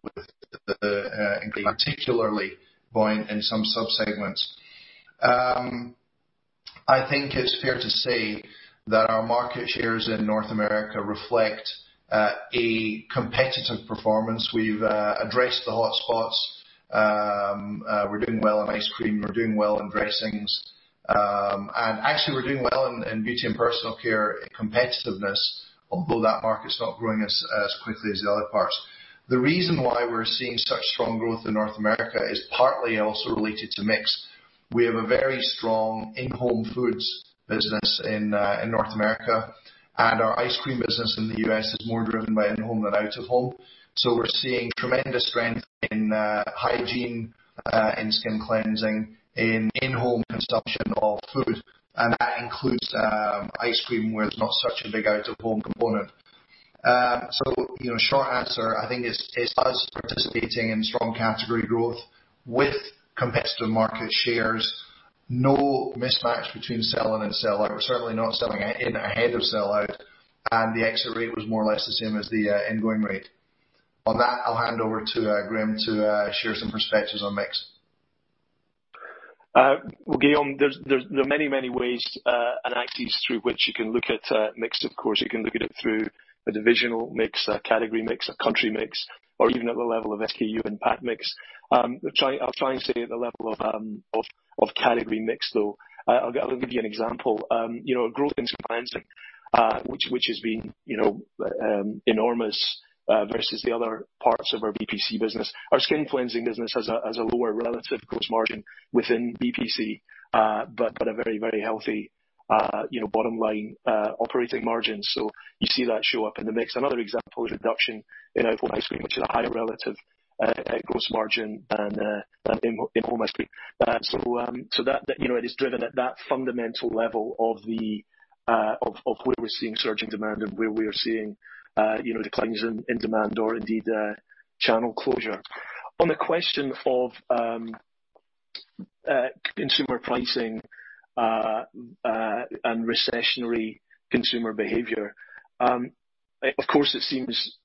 with the, and particularly buying in some sub-segments. I think it's fair to say that our market shares in North America reflect a competitive performance. We've addressed the hot spots. We're doing well in ice cream, we're doing well in dressings. Actually we're doing well in Beauty & Personal Care competitiveness, although that market's not growing as quickly as the other parts. The reason why we're seeing such strong growth in North America is partly also related to mix. We have a very strong in-home foods business in North America, and our ice cream business in the U.S. is more driven by in-home than out of home. We're seeing tremendous strength in hygiene, in skin cleansing, in in-home consumption of food, and that includes ice cream, where it's not such a big out of home component. Short answer, I think it's us participating in strong category growth with competitive market shares, no mismatch between sell in and sell out. We're certainly not selling in ahead of sell out, and the exit rate was more or less the same as the ingoing rate. On that, I'll hand over to Graeme to share some perspectives on mix. Guillaume, there are many ways and axes through which you can look at mix, of course. You can look at it through a divisional mix, a category mix, a country mix, or even at the level of SKU and pack mix. I'll try and stay at the level of category mix, though. I'll give you an example. Growth in skin cleansing, which has been enormous versus the other parts of our BPC business. Our skin cleansing business has a lower relative gross margin within BPC, but a very healthy bottom line operating margin. You see that show up in the mix. Another example is reduction in out-of-home ice cream, which is a higher relative gross margin than in home ice cream. It is driven at that fundamental level of where we're seeing surging demand and where we are seeing declines in demand or indeed channel closure. On the question of consumer pricing and recessionary consumer behavior, of course it seems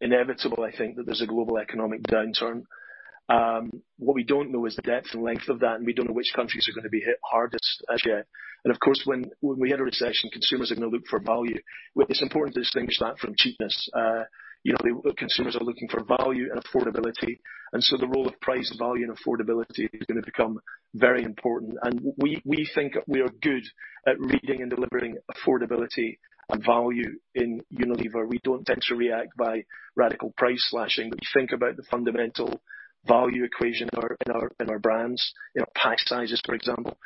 inevitable, I think, that there's a global economic downturn. What we don't know is the depth and length of that. We don't know which countries are going to be hit hardest as yet. Of course, when we hit a recession, consumers are going to look for value. It's important to distinguish that from cheapness. Consumers are looking for value and affordability. The role of price, value, and affordability is going to become very important. We think we are good at reading and delivering affordability and value in Unilever. We don't tend to react by radical price slashing. You think about the fundamental value equation in our brands, pack sizes, for example,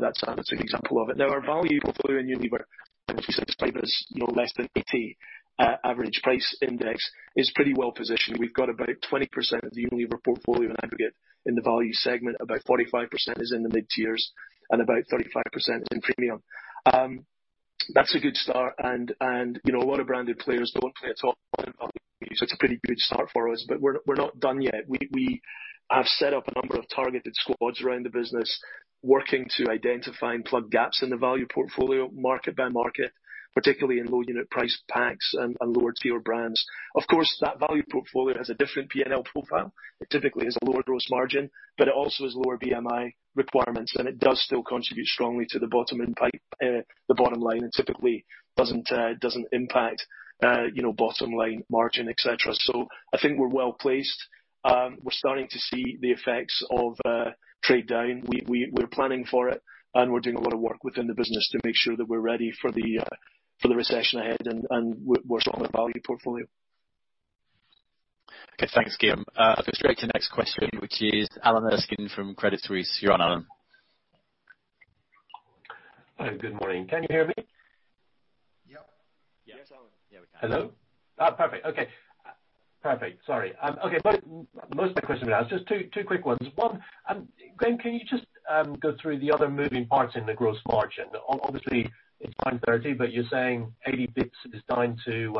that's a good example of it. Now, our value portfolio in Unilever, which is described as less than 80 average price index, is pretty well positioned. We've got about 20% of the Unilever portfolio in the value segment, about 45% is in the mid-Tiers, and about 35% is in premium. That's a good start and a lot of branded players don't play at all so it's a pretty good start for us, but we're not done yet. We have set up a number of targeted squads around the business working to identify and plug gaps in the value portfolio market by market, particularly in low unit price packs and lower Tier brands. Of course, that value portfolio has a different P&L profile. It typically has a lower gross margin, but it also has lower BMI requirements, and it does still contribute strongly to the bottom line and typically doesn't impact bottom-line margin, et cetera. I think we're well-placed. We're starting to see the effects of trade down. We're planning for it, and we're doing a lot of work within the business to make sure that we're ready for the recession ahead and we're strong on the value portfolio. Okay, thanks, Guillaume. I'll go straight to the next question, which is Alan Erskine from Credit Suisse. You're on, Alan. Hi, good morning. Can you hear me? Yep. Yes, Alan. Yeah, we can. Hello? Perfect. Okay. Perfect. Sorry. Okay. Most of my question has been asked. Just two quick ones. One, Graeme, can you just go through the other moving parts in the gross margin? Obviously it's 130, but you're saying 80 bps is down to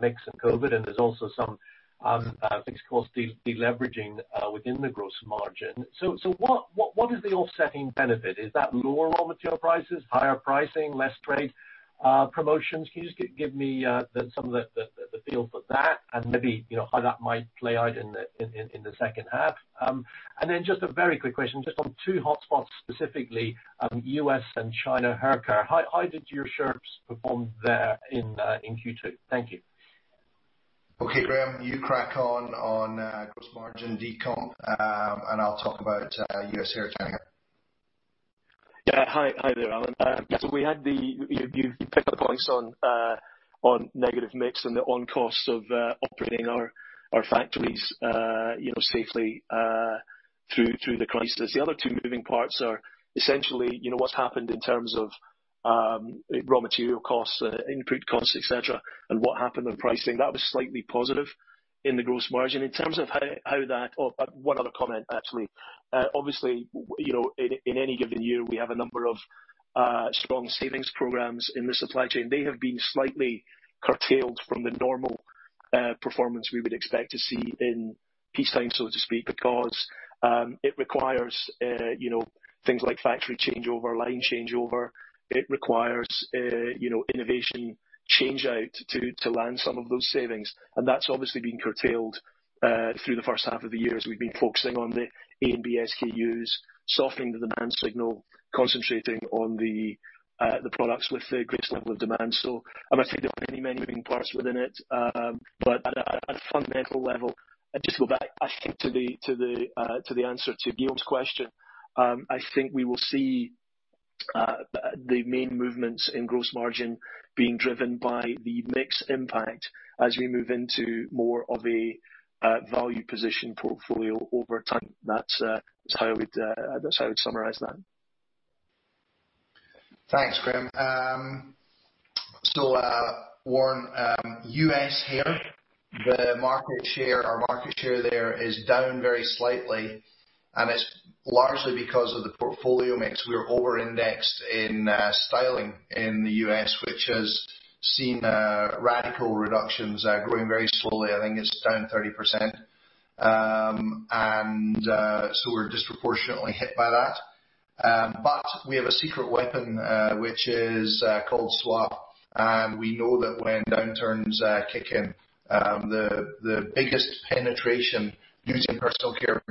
mix and COVID, and there's also some fixed cost deleveraging within the gross margin. What is the offsetting benefit? Is that lower raw material prices, higher pricing, less trade promotions? Can you just give me some of the feel for that and maybe how that might play out in the second half? Then just a very quick question just on two hotspots, specifically, U.S. and China haircare. How did your shares perform there in Q2? Thank you. Okay, Graeme, you crack on gross margin decomp. I'll talk about U.S. haircare. Yeah. Hi there, Alan. We had the You picked up the points on negative mix and the on-costs of operating our factories safely through the crisis. The other two moving parts are essentially, what's happened in terms of raw material costs, input costs, et cetera, and what happened with pricing. That was slightly positive in the gross margin. In terms of how that. Oh, one other comment, actually. Obviously, in any given year, we have a number of strong savings programs in the supply chain. They have been slightly curtailed from the normal performance we would expect to see in peacetime, so to speak, because it requires things like factory changeover, line changeover. It requires innovation change-out to land some of those savings, and that's obviously been curtailed through the first half of the year, as we've been focusing on the A and B SKUs, softening the demand signal, concentrating on the products with the greatest level of demand. As I said, there are many moving parts within it. At a fundamental level, I just go back I think to the answer to Guillaume's question. I think we will see the main movements in gross margin being driven by the mix impact as we move into more of a value position portfolio over time. That's how I would summarize that. Thanks, Graeme. Warren, U.S. hair, our market share there is down very slightly, and it's largely because of the portfolio mix. We are over-indexed in styling in the U.S., which has seen radical reductions, growing very slowly. I think it's down 30%. We're disproportionately hit by that. We have a secret weapon, which is called Suave, and we know that when downturns kick in, the biggest penetration using personal care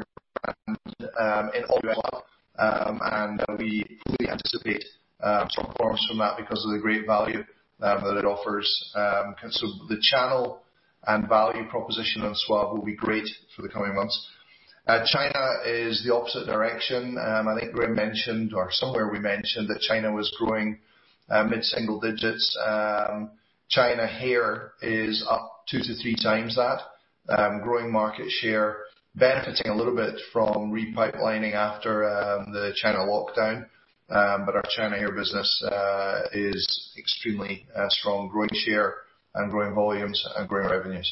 brand in all and we fully anticipate strong performance from that because of the great value that it offers. The channel and value proposition on Suave will be great for the coming months. China is the opposite direction. I think Graeme mentioned, or somewhere we mentioned that China was growing mid-single digits. China hair is up 2 to 3x that. Growing market share, benefiting a little bit from re-pipelining after the China lockdown. Our China hair business is extremely strong. Growing share and growing volumes and growing revenues.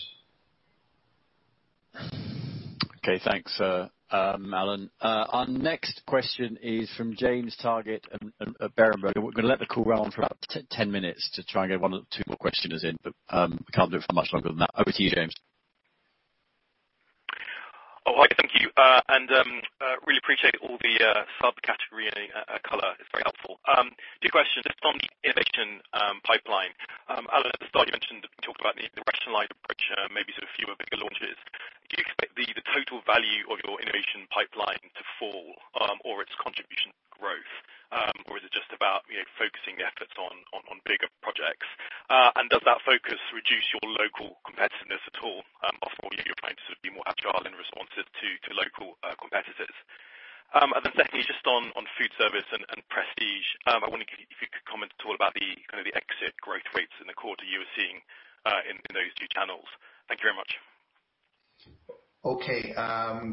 Okay. Thanks, Alan. Our next question is from James Targett at Berenberg. We're going to let the call run for about 10 minutes to try and get one or two more questioners in, but we can't do it for much longer than that. Over to you, James. Oh, hi. Thank you. Really appreciate all the subcategory color. It's very helpful. Two questions. Just on the innovation pipeline. Alan, at the start, you talked about the rationalized approach, maybe sort of fewer, bigger launches. Do you expect the total value of your innovation pipeline to fall or its contribution growth? Is it just about focusing the efforts on bigger projects? Does that focus reduce your local competitiveness at all? Before you were planning to sort of be more agile and responsive to local competitors. Secondly, just on foodservice and prestige, I wonder if you could comment at all about the exit growth rates in the quarter you were seeing in those two channels. Thank you very much. Okay.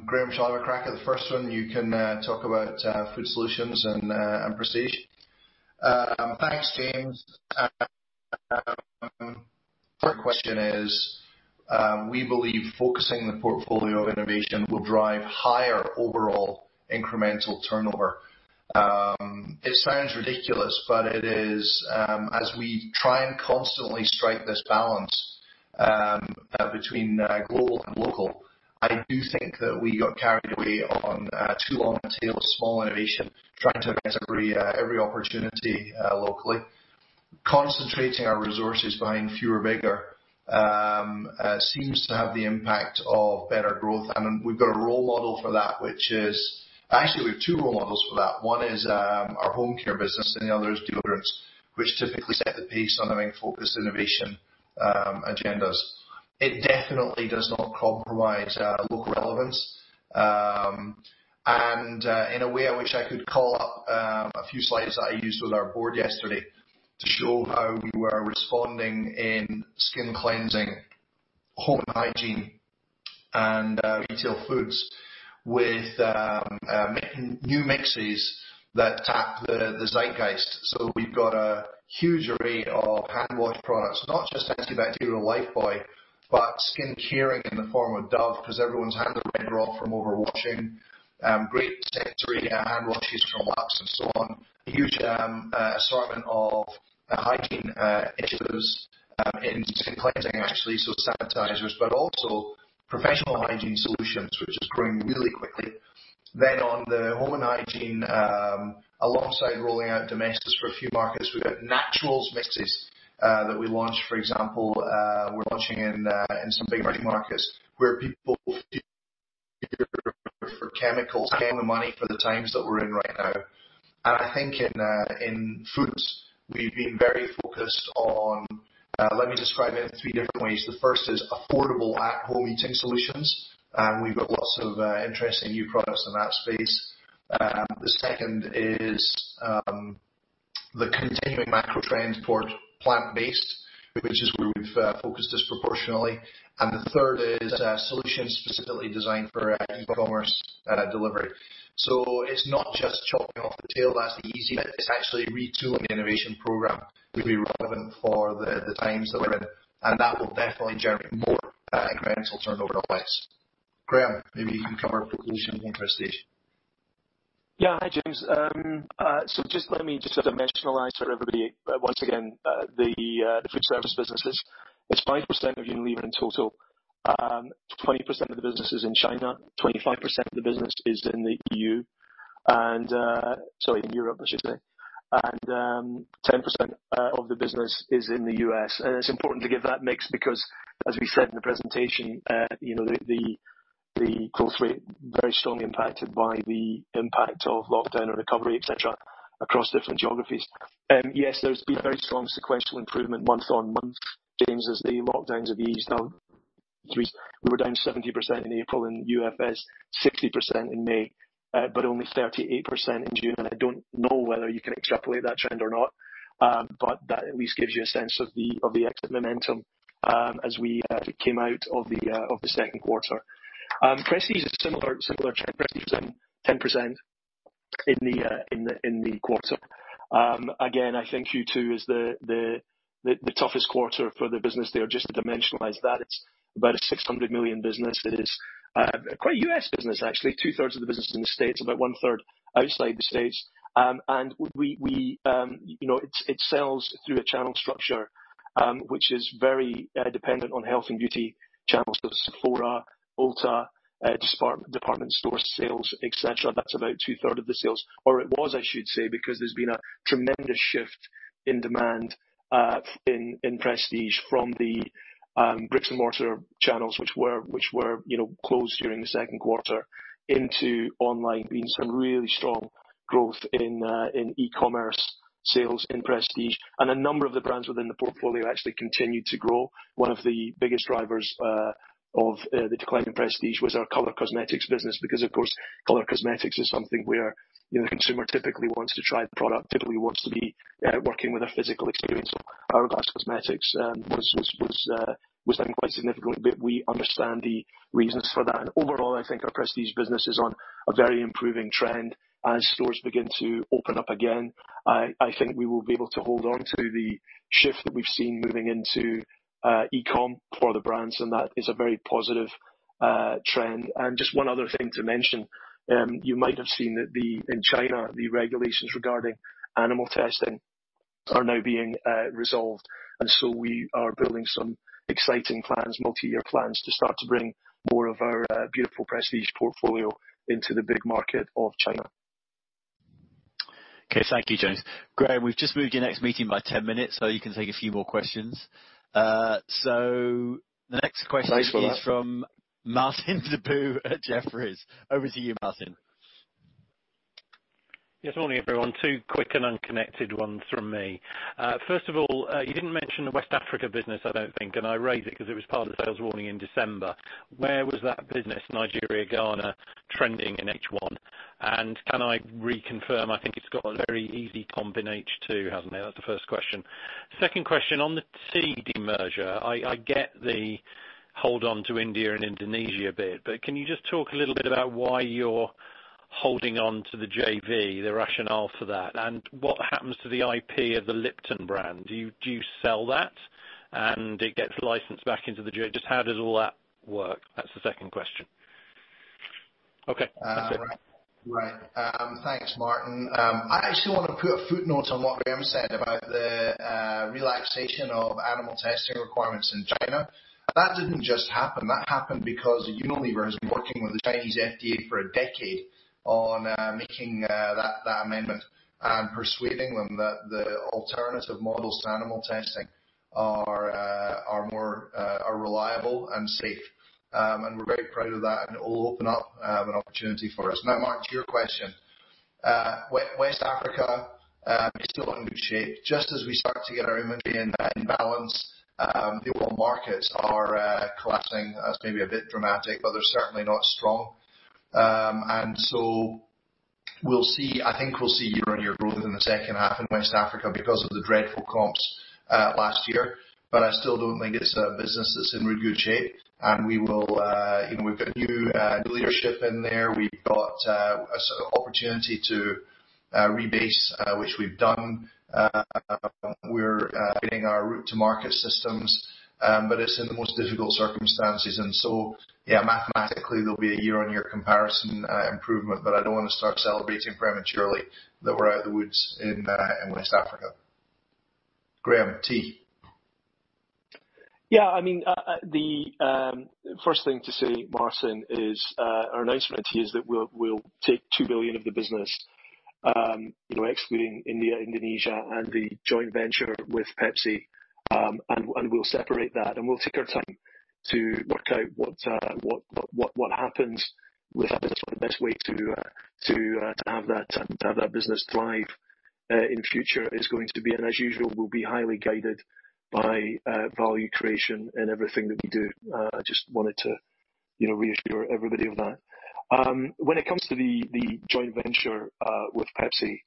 Graeme, do you want to have a crack at the first one? You can talk about food solutions and prestige. Thanks, James. First question is, we believe focusing the portfolio innovation will drive higher overall incremental turnover. It sounds ridiculous, but it is, as we try and constantly strike this balance between global and local, I do think that we got carried away on too long a tail of small innovation, trying to address every opportunity locally. Concentrating our resources, buying fewer, bigger, seems to have the impact of better growth. We've got a role model for that, which is Actually, we have two role models for that. One is our Home Care business, and the other is deodorants, which typically set the pace on having focused innovation agendas. It definitely does not compromise local relevance. In a way, I wish I could call up a few slides that I used with our board yesterday to show how we were responding in skin cleansing, home hygiene, and retail foods with making new mixes that tap the zeitgeist. We've got a huge array of hand wash products, not just antibacterial Lifebuoy, but skin caring in the form of Dove, because everyone's hands are red raw from overwashing. Great sensory hand washes from Lux and so on. A huge assortment of hygiene issues in skin cleansing actually, so sanitizers, but also professional hygiene solutions, which is growing really quickly. On the home and hygiene, alongside rolling out Domestos for a few markets, we've got naturals mixes that we launched, for example we're launching in some big emerging markets where people for chemicals came the money for the times that we're in right now. I think in foods, we've been very focused on. Let me describe it in three different ways. The first is affordable at-home eating solutions, and we've got lots of interesting new products in that space. The second is the continuing macro trend toward plant-based, which is where we've focused disproportionately. The third is solutions specifically designed for e-commerce delivery. It's not just chopping off the tail, that's the easy bit. It's actually retooling the innovation program to be relevant for the times that we're in. That will definitely generate more incremental turnover, not less. Graeme, maybe you can cover a few points in the presentation. Hi, James. Let me just dimensionalize for everybody once again, the food service businesses. It's 5% of Unilever in total, 20% of the business is in China, 25% of the business is in the EU. Sorry, Europe, I should say. 10% of the business is in the U.S. It's important to give that mix because, as we said in the presentation, the growth rate very strongly impacted by the impact of lockdown and recovery, et cetera, across different geographies. Yes, there's been very strong sequential improvement month-on-month, James, as the lockdowns have eased. We were down 70% in April in UFS, 60% in May, but only 38% in June. I don't know whether you can extrapolate that trend or not, that at least gives you a sense of the exit momentum as we came out of the second quarter. Prestige, a similar trend. Prestige was in 10% in the quarter. I think Q2 is the toughest quarter for the business there. Just to dimensionalize that, it's about a 600 million business. It is quite a U.S. business, actually. Two-thirds of the business is in the States, about 1/3 outside the States. It sells through a channel structure, which is very dependent on health and beauty channels. Sephora, Ulta, department store sales, et cetera. That's about 2/3 of the sales. It was, I should say, because there's been a tremendous shift in demand in Prestige from the bricks and mortar channels, which were closed during the second quarter into online. There's been some really strong growth in e-commerce sales in Prestige, a number of the brands within the portfolio actually continued to grow. One of the biggest drivers of the decline in Prestige was our color cosmetics business because, of course, color cosmetics is something where the consumer typically wants to try the product, typically wants to be working with a physical experience. Hourglass Cosmetics was down quite significantly, but we understand the reasons for that. Overall, I think our Prestige business is on a very improving trend as stores begin to open up again. I think we will be able to hold on to the shift that we've seen moving into e-com for the brands, and that is a very positive trend. Just one other thing to mention, you might have seen that in China, the regulations regarding animal testing are now being resolved. We are building some exciting plans, multi-year plans, to start to bring more of our beautiful Prestige portfolio into the big market of China. Okay. Thank you, James. Graeme, we've just moved your next meeting by 10 minutes, so you can take a few more questions. Thanks for that. Is from Martin Deboo at Jefferies. Over to you, Martin. Yes, morning, everyone. Two quick and unconnected ones from me. First of all, you didn't mention the West Africa business, I don't think. I raise it because it was part of the sales warning in December. Where was that business, Nigeria, Ghana, trending in H1? Can I reconfirm, I think it's got a very easy comp in H2, hasn't it? That's the first question. Second question, on the tea demerger, I get the hold on to India and Indonesia bit. Can you just talk a little bit about why you're holding on to the JV, the rationale for that? What happens to the IP of the Lipton brand? Do you sell that? Just how does all that work? That's the second question. Okay. That's it. Right. Thanks, Martin. I actually want to put a footnote on what Graeme said about the relaxation of animal testing requirements in China. That didn't just happen. That happened because Unilever has been working with the Chinese FDA for a decade on making that amendment and persuading them that the alternative models to animal testing are reliable and safe. We're very proud of that, and it will open up an opportunity for us. Now, Martin, to your question. West Africa is still not in good shape. Just as we start to get our inventory in balance, the oil markets are collapsing. That's maybe a bit dramatic, but they're certainly not strong. I think we'll see year-over-year growth in the second half in West Africa because of the dreadful comps last year. I still don't think it's a business that's in real good shape. We've got new leadership in there. We've got a sort of opportunity to rebase, which we've done. We're updating our route to market systems, but it's in the most difficult circumstances. Yeah, mathematically, there'll be a year-on-year comparison improvement. I don't want to start celebrating prematurely that we're out of the woods in West Africa. Graeme, tea. Yeah. The first thing to say, Martin, is our announcement is that we'll take 2 billion of the business excluding India, Indonesia, and the joint venture with Pepsi, and we'll separate that, and we'll take our time to work out what happens with that business, what the best way to have that business thrive in future is going to be. As usual, we'll be highly guided by value creation in everything that we do. I just wanted to reassure everybody of that. When it comes to the joint venture with Pepsi,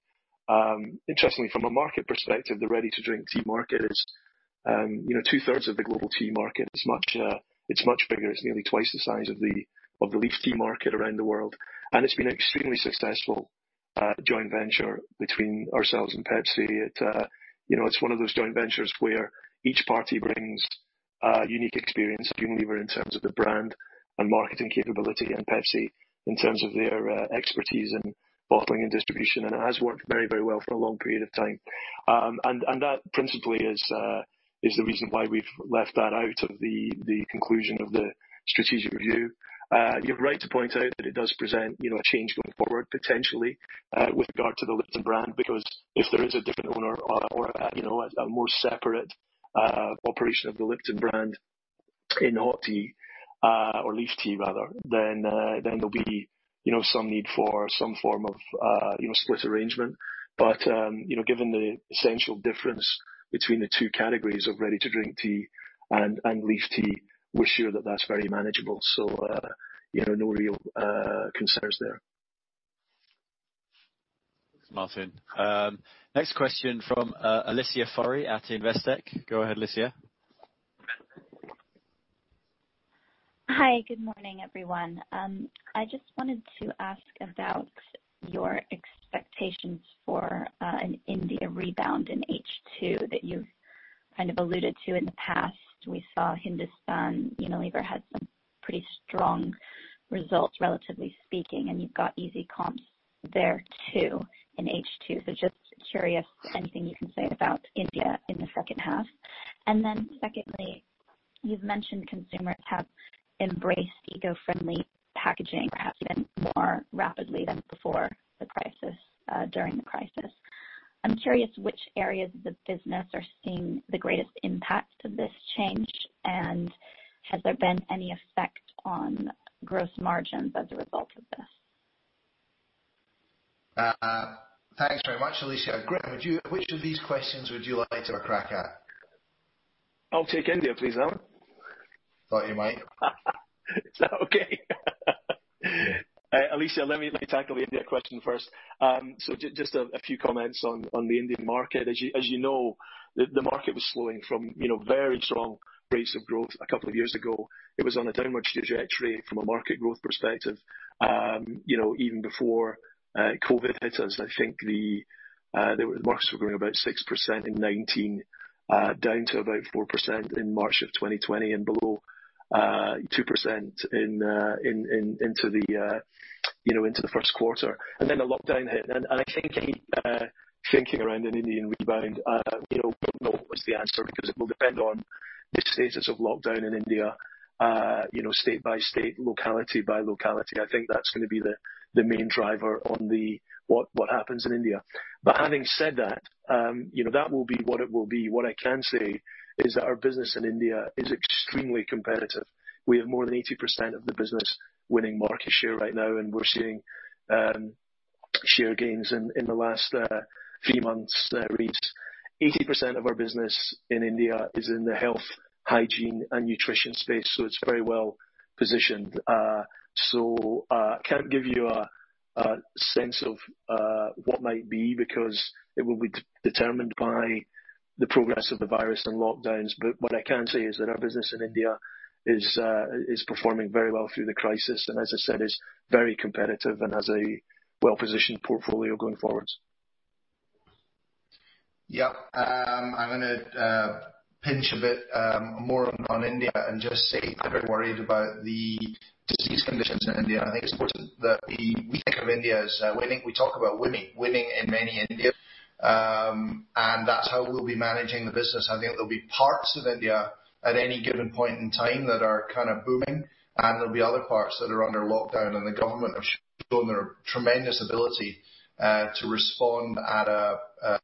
interestingly, from a market perspective, the ready to drink tea market is 2/3 of the global tea market. It's much bigger. It's nearly twice the size of the leaf tea market around the world, and it's been an extremely successful joint venture between ourselves and Pepsi. It's one of those joint ventures where each party brings a unique experience. Unilever in terms of the brand and marketing capability, and Pepsi in terms of their expertise in bottling and distribution, and it has worked very well for a long period of time. That principally is the reason why we've left that out of the conclusion of the strategic review. You're right to point out that it does present a change going forward, potentially, with regard to the Lipton brand, because if there is a different owner or a more separate operation of the Lipton brand in hot tea or leaf tea rather, then there'll be some need for some form of split arrangement. Given the essential difference between the two categories of ready to drink tea and leaf tea, we're sure that that's very manageable, so no real concerns there. Thanks, Martin. Next question from Alicia Forry at Investec. Go ahead, Alicia. Hi, good morning, everyone. I just wanted to ask about your expectations for an India rebound in H2 that you've kind of alluded to in the past. We saw Hindustan Unilever had some pretty strong results, relatively speaking, and you've got easy comps there too in H2. Just curious, anything you can say about India in the second half. Secondly, you've mentioned consumers have embraced eco-friendly packaging perhaps even more rapidly than before the crisis, during the crisis. I'm curious which areas of the business are seeing the greatest impact of this change, and has there been any effect on gross margins as a result of this? Thanks very much, Alicia. Graeme, which of these questions would you like to have a crack at? I'll take India, please, Alan. Thought you might. Is that okay? Alicia, let me tackle the India question first. Just a few comments on the Indian market. As you know, the market was slowing from very strong rates of growth a couple of years ago. It was on a downward trajectory from a market growth perspective even before COVID hit us. I think the markets were growing about 6% in 2019, down to about 4% in March of 2020, and below 2% into the first quarter. Then the lockdown hit. I think any thinking around an Indian rebound, we'll know what's the answer because it will depend on the status of lockdown in India state by state, locality by locality. I think that's going to be the main driver on what happens in India. Having said that will be what it will be. What I can say is that our business in India is extremely competitive. We have more than 80% of the business winning market share right now, and we're seeing share gains in the last three months reached. 80% of our business in India is in the health, hygiene, and nutrition space, so it's very well positioned. Can't give you a sense of what might be because it will be determined by the progress of the virus and lockdowns. What I can say is that our business in India is performing very well through the crisis, and as I said, is very competitive and has a well-positioned portfolio going forwards. Yep. I'm going to pinch a bit more on India and just say I'm very worried about the disease conditions in India. I think it's important that we think of India as winning. We talk about winning in many India. That's how we'll be managing the business. I think there'll be parts of India at any given point in time that are kind of booming, and there'll be other parts that are under lockdown, and the government have shown their tremendous ability to respond at a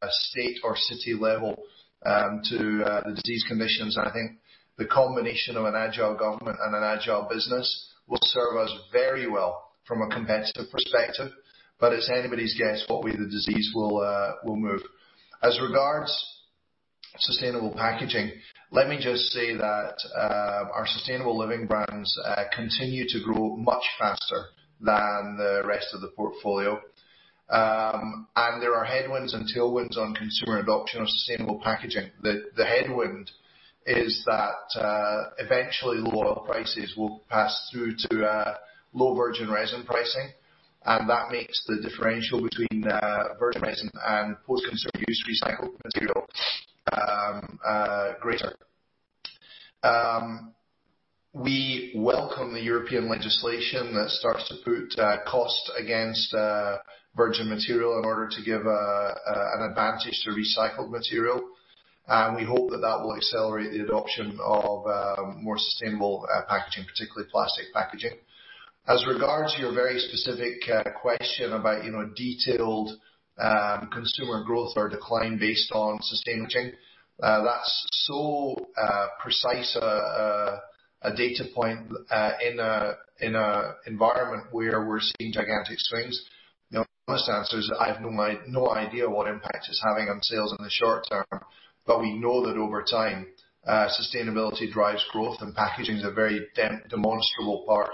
state or city level to the disease conditions. I think the combination of an agile government and an agile business will serve us very well from a competitive perspective. It's anybody's guess what way the disease will move. As regards sustainable packaging, let me just say that our sustainable living brands continue to grow much faster than the rest of the portfolio. There are headwinds and tailwinds on consumer adoption of sustainable packaging. The headwind is that eventually lower oil prices will pass through to low virgin resin pricing, and that makes the differential between virgin resin and post-consumer use recycled material greater. We welcome the European legislation that starts to put cost against virgin material in order to give an advantage to recycled material, and we hope that that will accelerate the adoption of more sustainable packaging, particularly plastic packaging. As regards to your very specific question about detailed consumer growth or decline based on sustainability, that's so precise a data point in a environment where we're seeing gigantic swings. The honest answer is that I have no idea what impact it's having on sales in the short-term, but we know that over time, sustainability drives growth, and packaging is a very demonstrable part of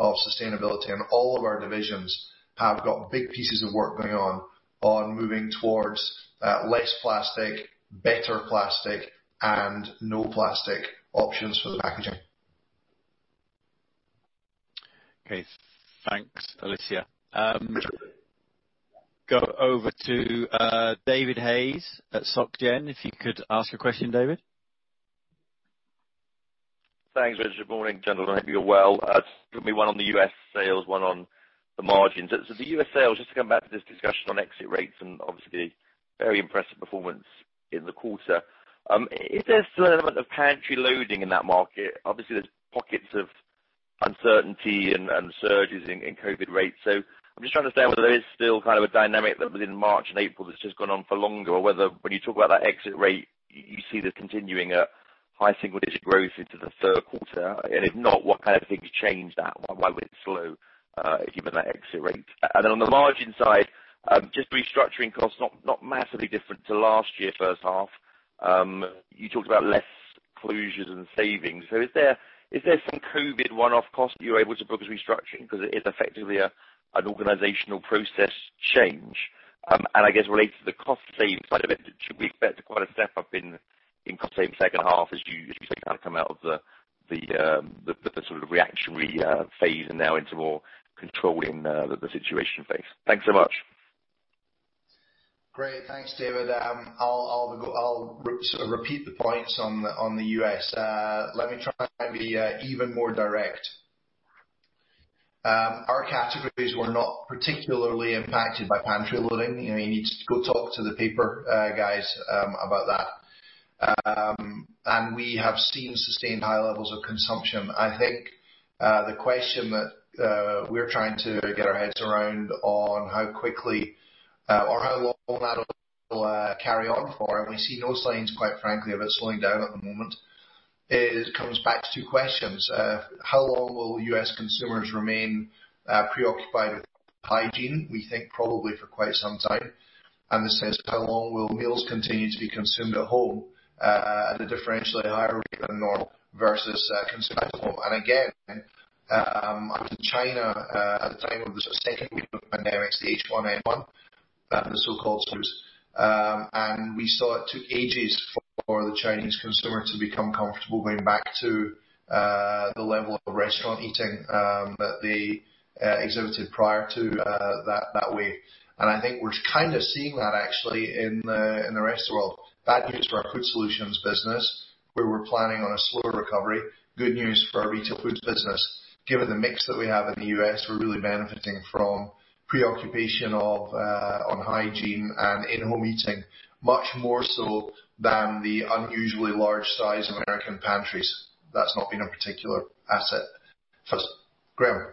sustainability. All of our divisions have got big pieces of work going on moving towards less plastic, better plastic, and no plastic options for the packaging. Okay. Thanks, Alicia. Go over to David Hayes at Société Générale, if you could ask a question, David. Thanks, Richard. Good morning, gentlemen. I hope you're well. Just give me one on the U.S. sales, one on the margins. The U.S. sales, just to come back to this discussion on exit rates and obviously very impressive performance in the quarter. Is there still an element of pantry loading in that market? Obviously, there are pockets of uncertainty and surges in COVID-19 rates. I'm just trying to understand whether there is still a dynamic that within March and April, that's just gone on for longer, or whether when you talk about that exit rate, you see there continuing a high single-digit growth into the third quarter. If not, what kind of things change that? Why would it slow, given that exit rate? Then on the margin side, just restructuring costs not massively different to last year first half. You talked about less closures and savings. Is there some COVID-19 one-off cost that you're able to book as restructuring because it is effectively an organizational process change? I guess related to the cost savings side of it, should we expect quite a step up in cost savings second half as you say, come out of the sort of reactionary phase and now into more controlling the situation phase? Thanks so much. Great. Thanks, David. I'll repeat the points on the U.S. Let me try and be even more direct. Our categories were not particularly impacted by pantry loading. You need to go talk to the paper guys about that. We have seen sustained high levels of consumption. I think, the question that we're trying to get our heads around on how quickly or how long that will carry on for, and we see no signs, quite frankly, of it slowing down at the moment, is comes back to two questions. How long will U.S. consumers remain preoccupied with hygiene? We think probably for quite some time. This is how long will meals continue to be consumed at home at a differentially higher rate than normal versus consumed at home. Again, after China, at the time of the second wave of pandemics, the H1N1, the so-called SARS. We saw it took ages for the Chinese consumer to become comfortable going back to the level of restaurant eating that they exhibited prior to that wave. I think we're kind of seeing that actually in the rest of the world. Bad news for our food solutions business, where we're planning on a slower recovery. Good news for our retail foods business. Given the mix that we have in the U.S., we're really benefiting from preoccupation on hygiene and in-home eating much more so than the unusually large size of American pantries. That's not been a particular asset for us. Graeme.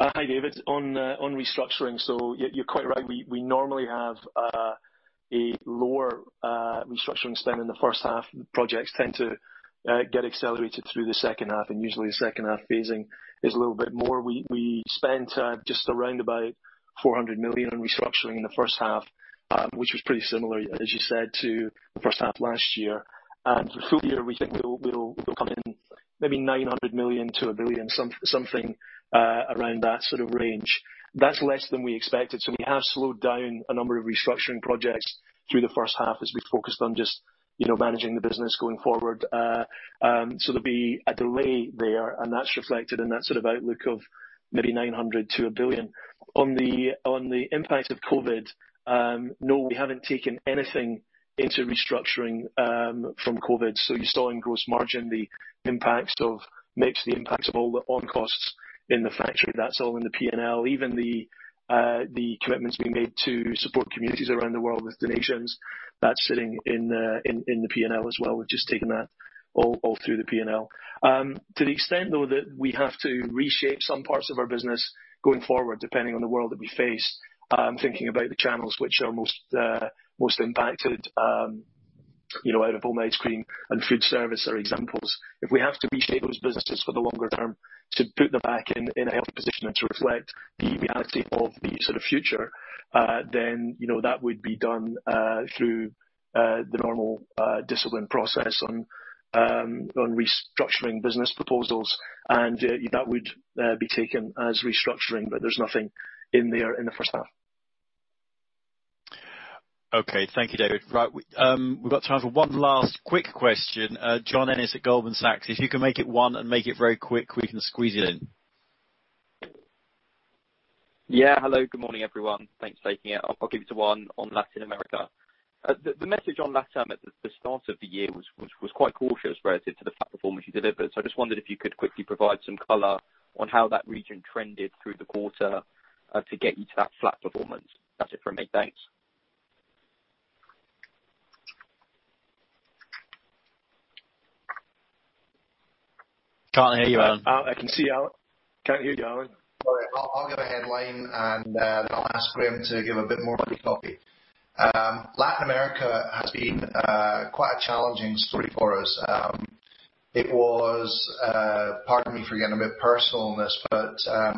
Hi, David. You're quite right. We normally have a lower restructuring spend in the first half. Projects tend to get accelerated through the second half, and usually the second half phasing is a little bit more. We spent just around about 400 million on restructuring in the first half, which was pretty similar, as you said, to the first half last year. For the full year, we think we'll come in maybe 900 million-1 billion, something around that sort of range. That's less than we expected. We have slowed down a number of restructuring projects through the first half as we focused on just managing the business going forward. There'll be a delay there, and that's reflected in that sort of outlook of maybe 900 million-1 billion. On the impact of COVID, no, we haven't taken anything into restructuring from COVID. You saw in gross margin the impacts of mix, the impacts of all the on costs in the factory. That's all in the P&L. Even the commitments we made to support communities around the world with donations, that's sitting in the P&L as well. We've just taken that all through the P&L. To the extent, though, that we have to reshape some parts of our business going forward, depending on the world that we face, thinking about the channels which are most impacted out of home ice cream and food service are examples. If we have to reshape those businesses for the longe-term to put them back in a healthy position and to reflect the reality of the sort of future, then that would be done through the normal discipline process on restructuring business proposals. That would be taken as restructuring, but there's nothing in there in the first half. Okay. Thank you, David. Right. We've got time for one last quick question. John Ennis at Goldman Sachs, if you can make it one and make it very quick, we can squeeze it in. Yeah. Hello, good morning, everyone. Thanks for taking it. I'll keep it to one on Latin America. The message on LatAm at the start of the year was quite cautious relative to the flat performance you delivered. I just wondered if you could quickly provide some color on how that region trended through the quarter to get you to that flat performance. That's it from me. Thanks. Can't hear you, Alan. I can see Alan. Can't hear you, Alan. All right, I'll give a headline and then I'll ask Graeme to give a bit more bloody copy. Latin America has been quite a challenging story for us. Pardon me for getting a bit personal on this.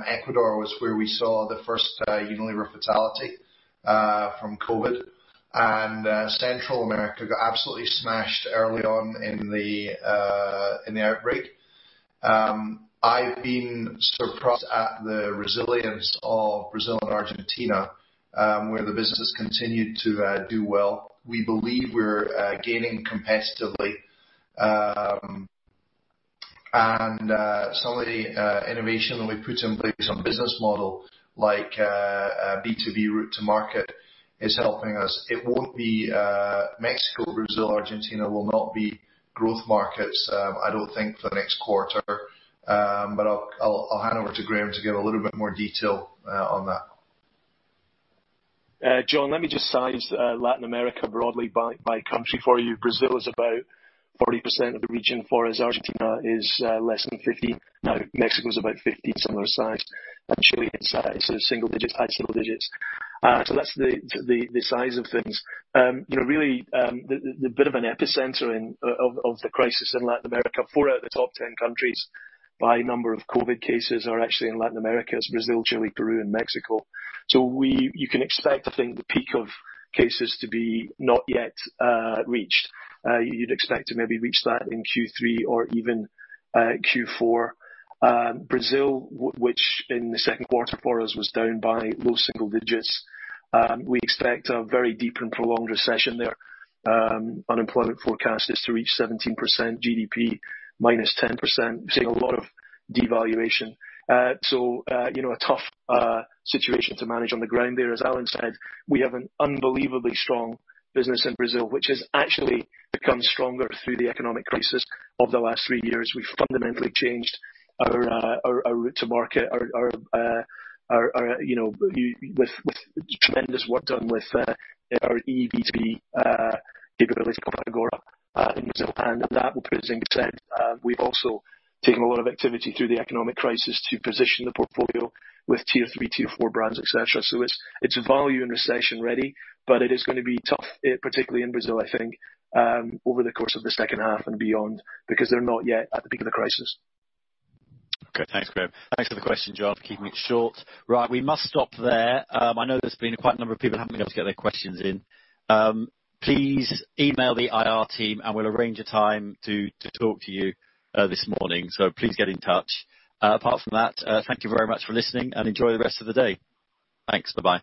Ecuador was where we saw the first Unilever fatality from COVID-19, and Central America got absolutely smashed early on in the outbreak. I've been surprised at the resilience of Brazil and Argentina, where the business has continued to do well. We believe we're gaining competitively. Some of the innovation that we put in place on business model, like B2B route to market is helping us. Mexico, Brazil, Argentina will not be growth markets, I don't think, for the next quarter. I'll hand over to Graeme to give a little bit more detail on that. John, let me just size Latin America broadly by country for you. Brazil is about 40% of the region for us. Argentina is less than 15 now. Mexico is about 15, similar size, and Chile inside single-digits, high-single digits. That's the size of things. Really, the bit of an epicenter of the crisis in Latin America, four out of the top 10 countries by number of COVID cases are actually in Latin America. It's Brazil, Chile, Peru, and Mexico. You can expect, I think, the peak of cases to be not yet reached. You'd expect to maybe reach that in Q3 or even Q4. Brazil, which in the second quarter for us was down by low-single digits. We expect a very deep and prolonged recession there. Unemployment forecast is to reach 17% GDP -10%, seeing a lot of devaluation. A tough situation to manage on the ground there. As Alan said, we have an unbelievably strong business in Brazil, which has actually become stronger through the economic crisis of the last three years. We fundamentally changed our route to market with tremendous work done with our eB2B capabilities called Agora in Brazil. We've also taken a lot of activity through the economic crisis to position the portfolio with Tier 3, Tier 4 brands, et cetera. It's value and recession ready. It is going to be tough, particularly in Brazil, I think, over the course of the second half and beyond, because they're not yet at the peak of the crisis. Okay, thanks, Graeme. Thanks for the question, John, for keeping it short. We must stop there. I know there's been quite a number of people who haven't been able to get their questions in. Please email the IR team, and we'll arrange a time to talk to you this morning. Please get in touch. Apart from that, thank you very much for listening, and enjoy the rest of the day. Thanks. Bye-bye.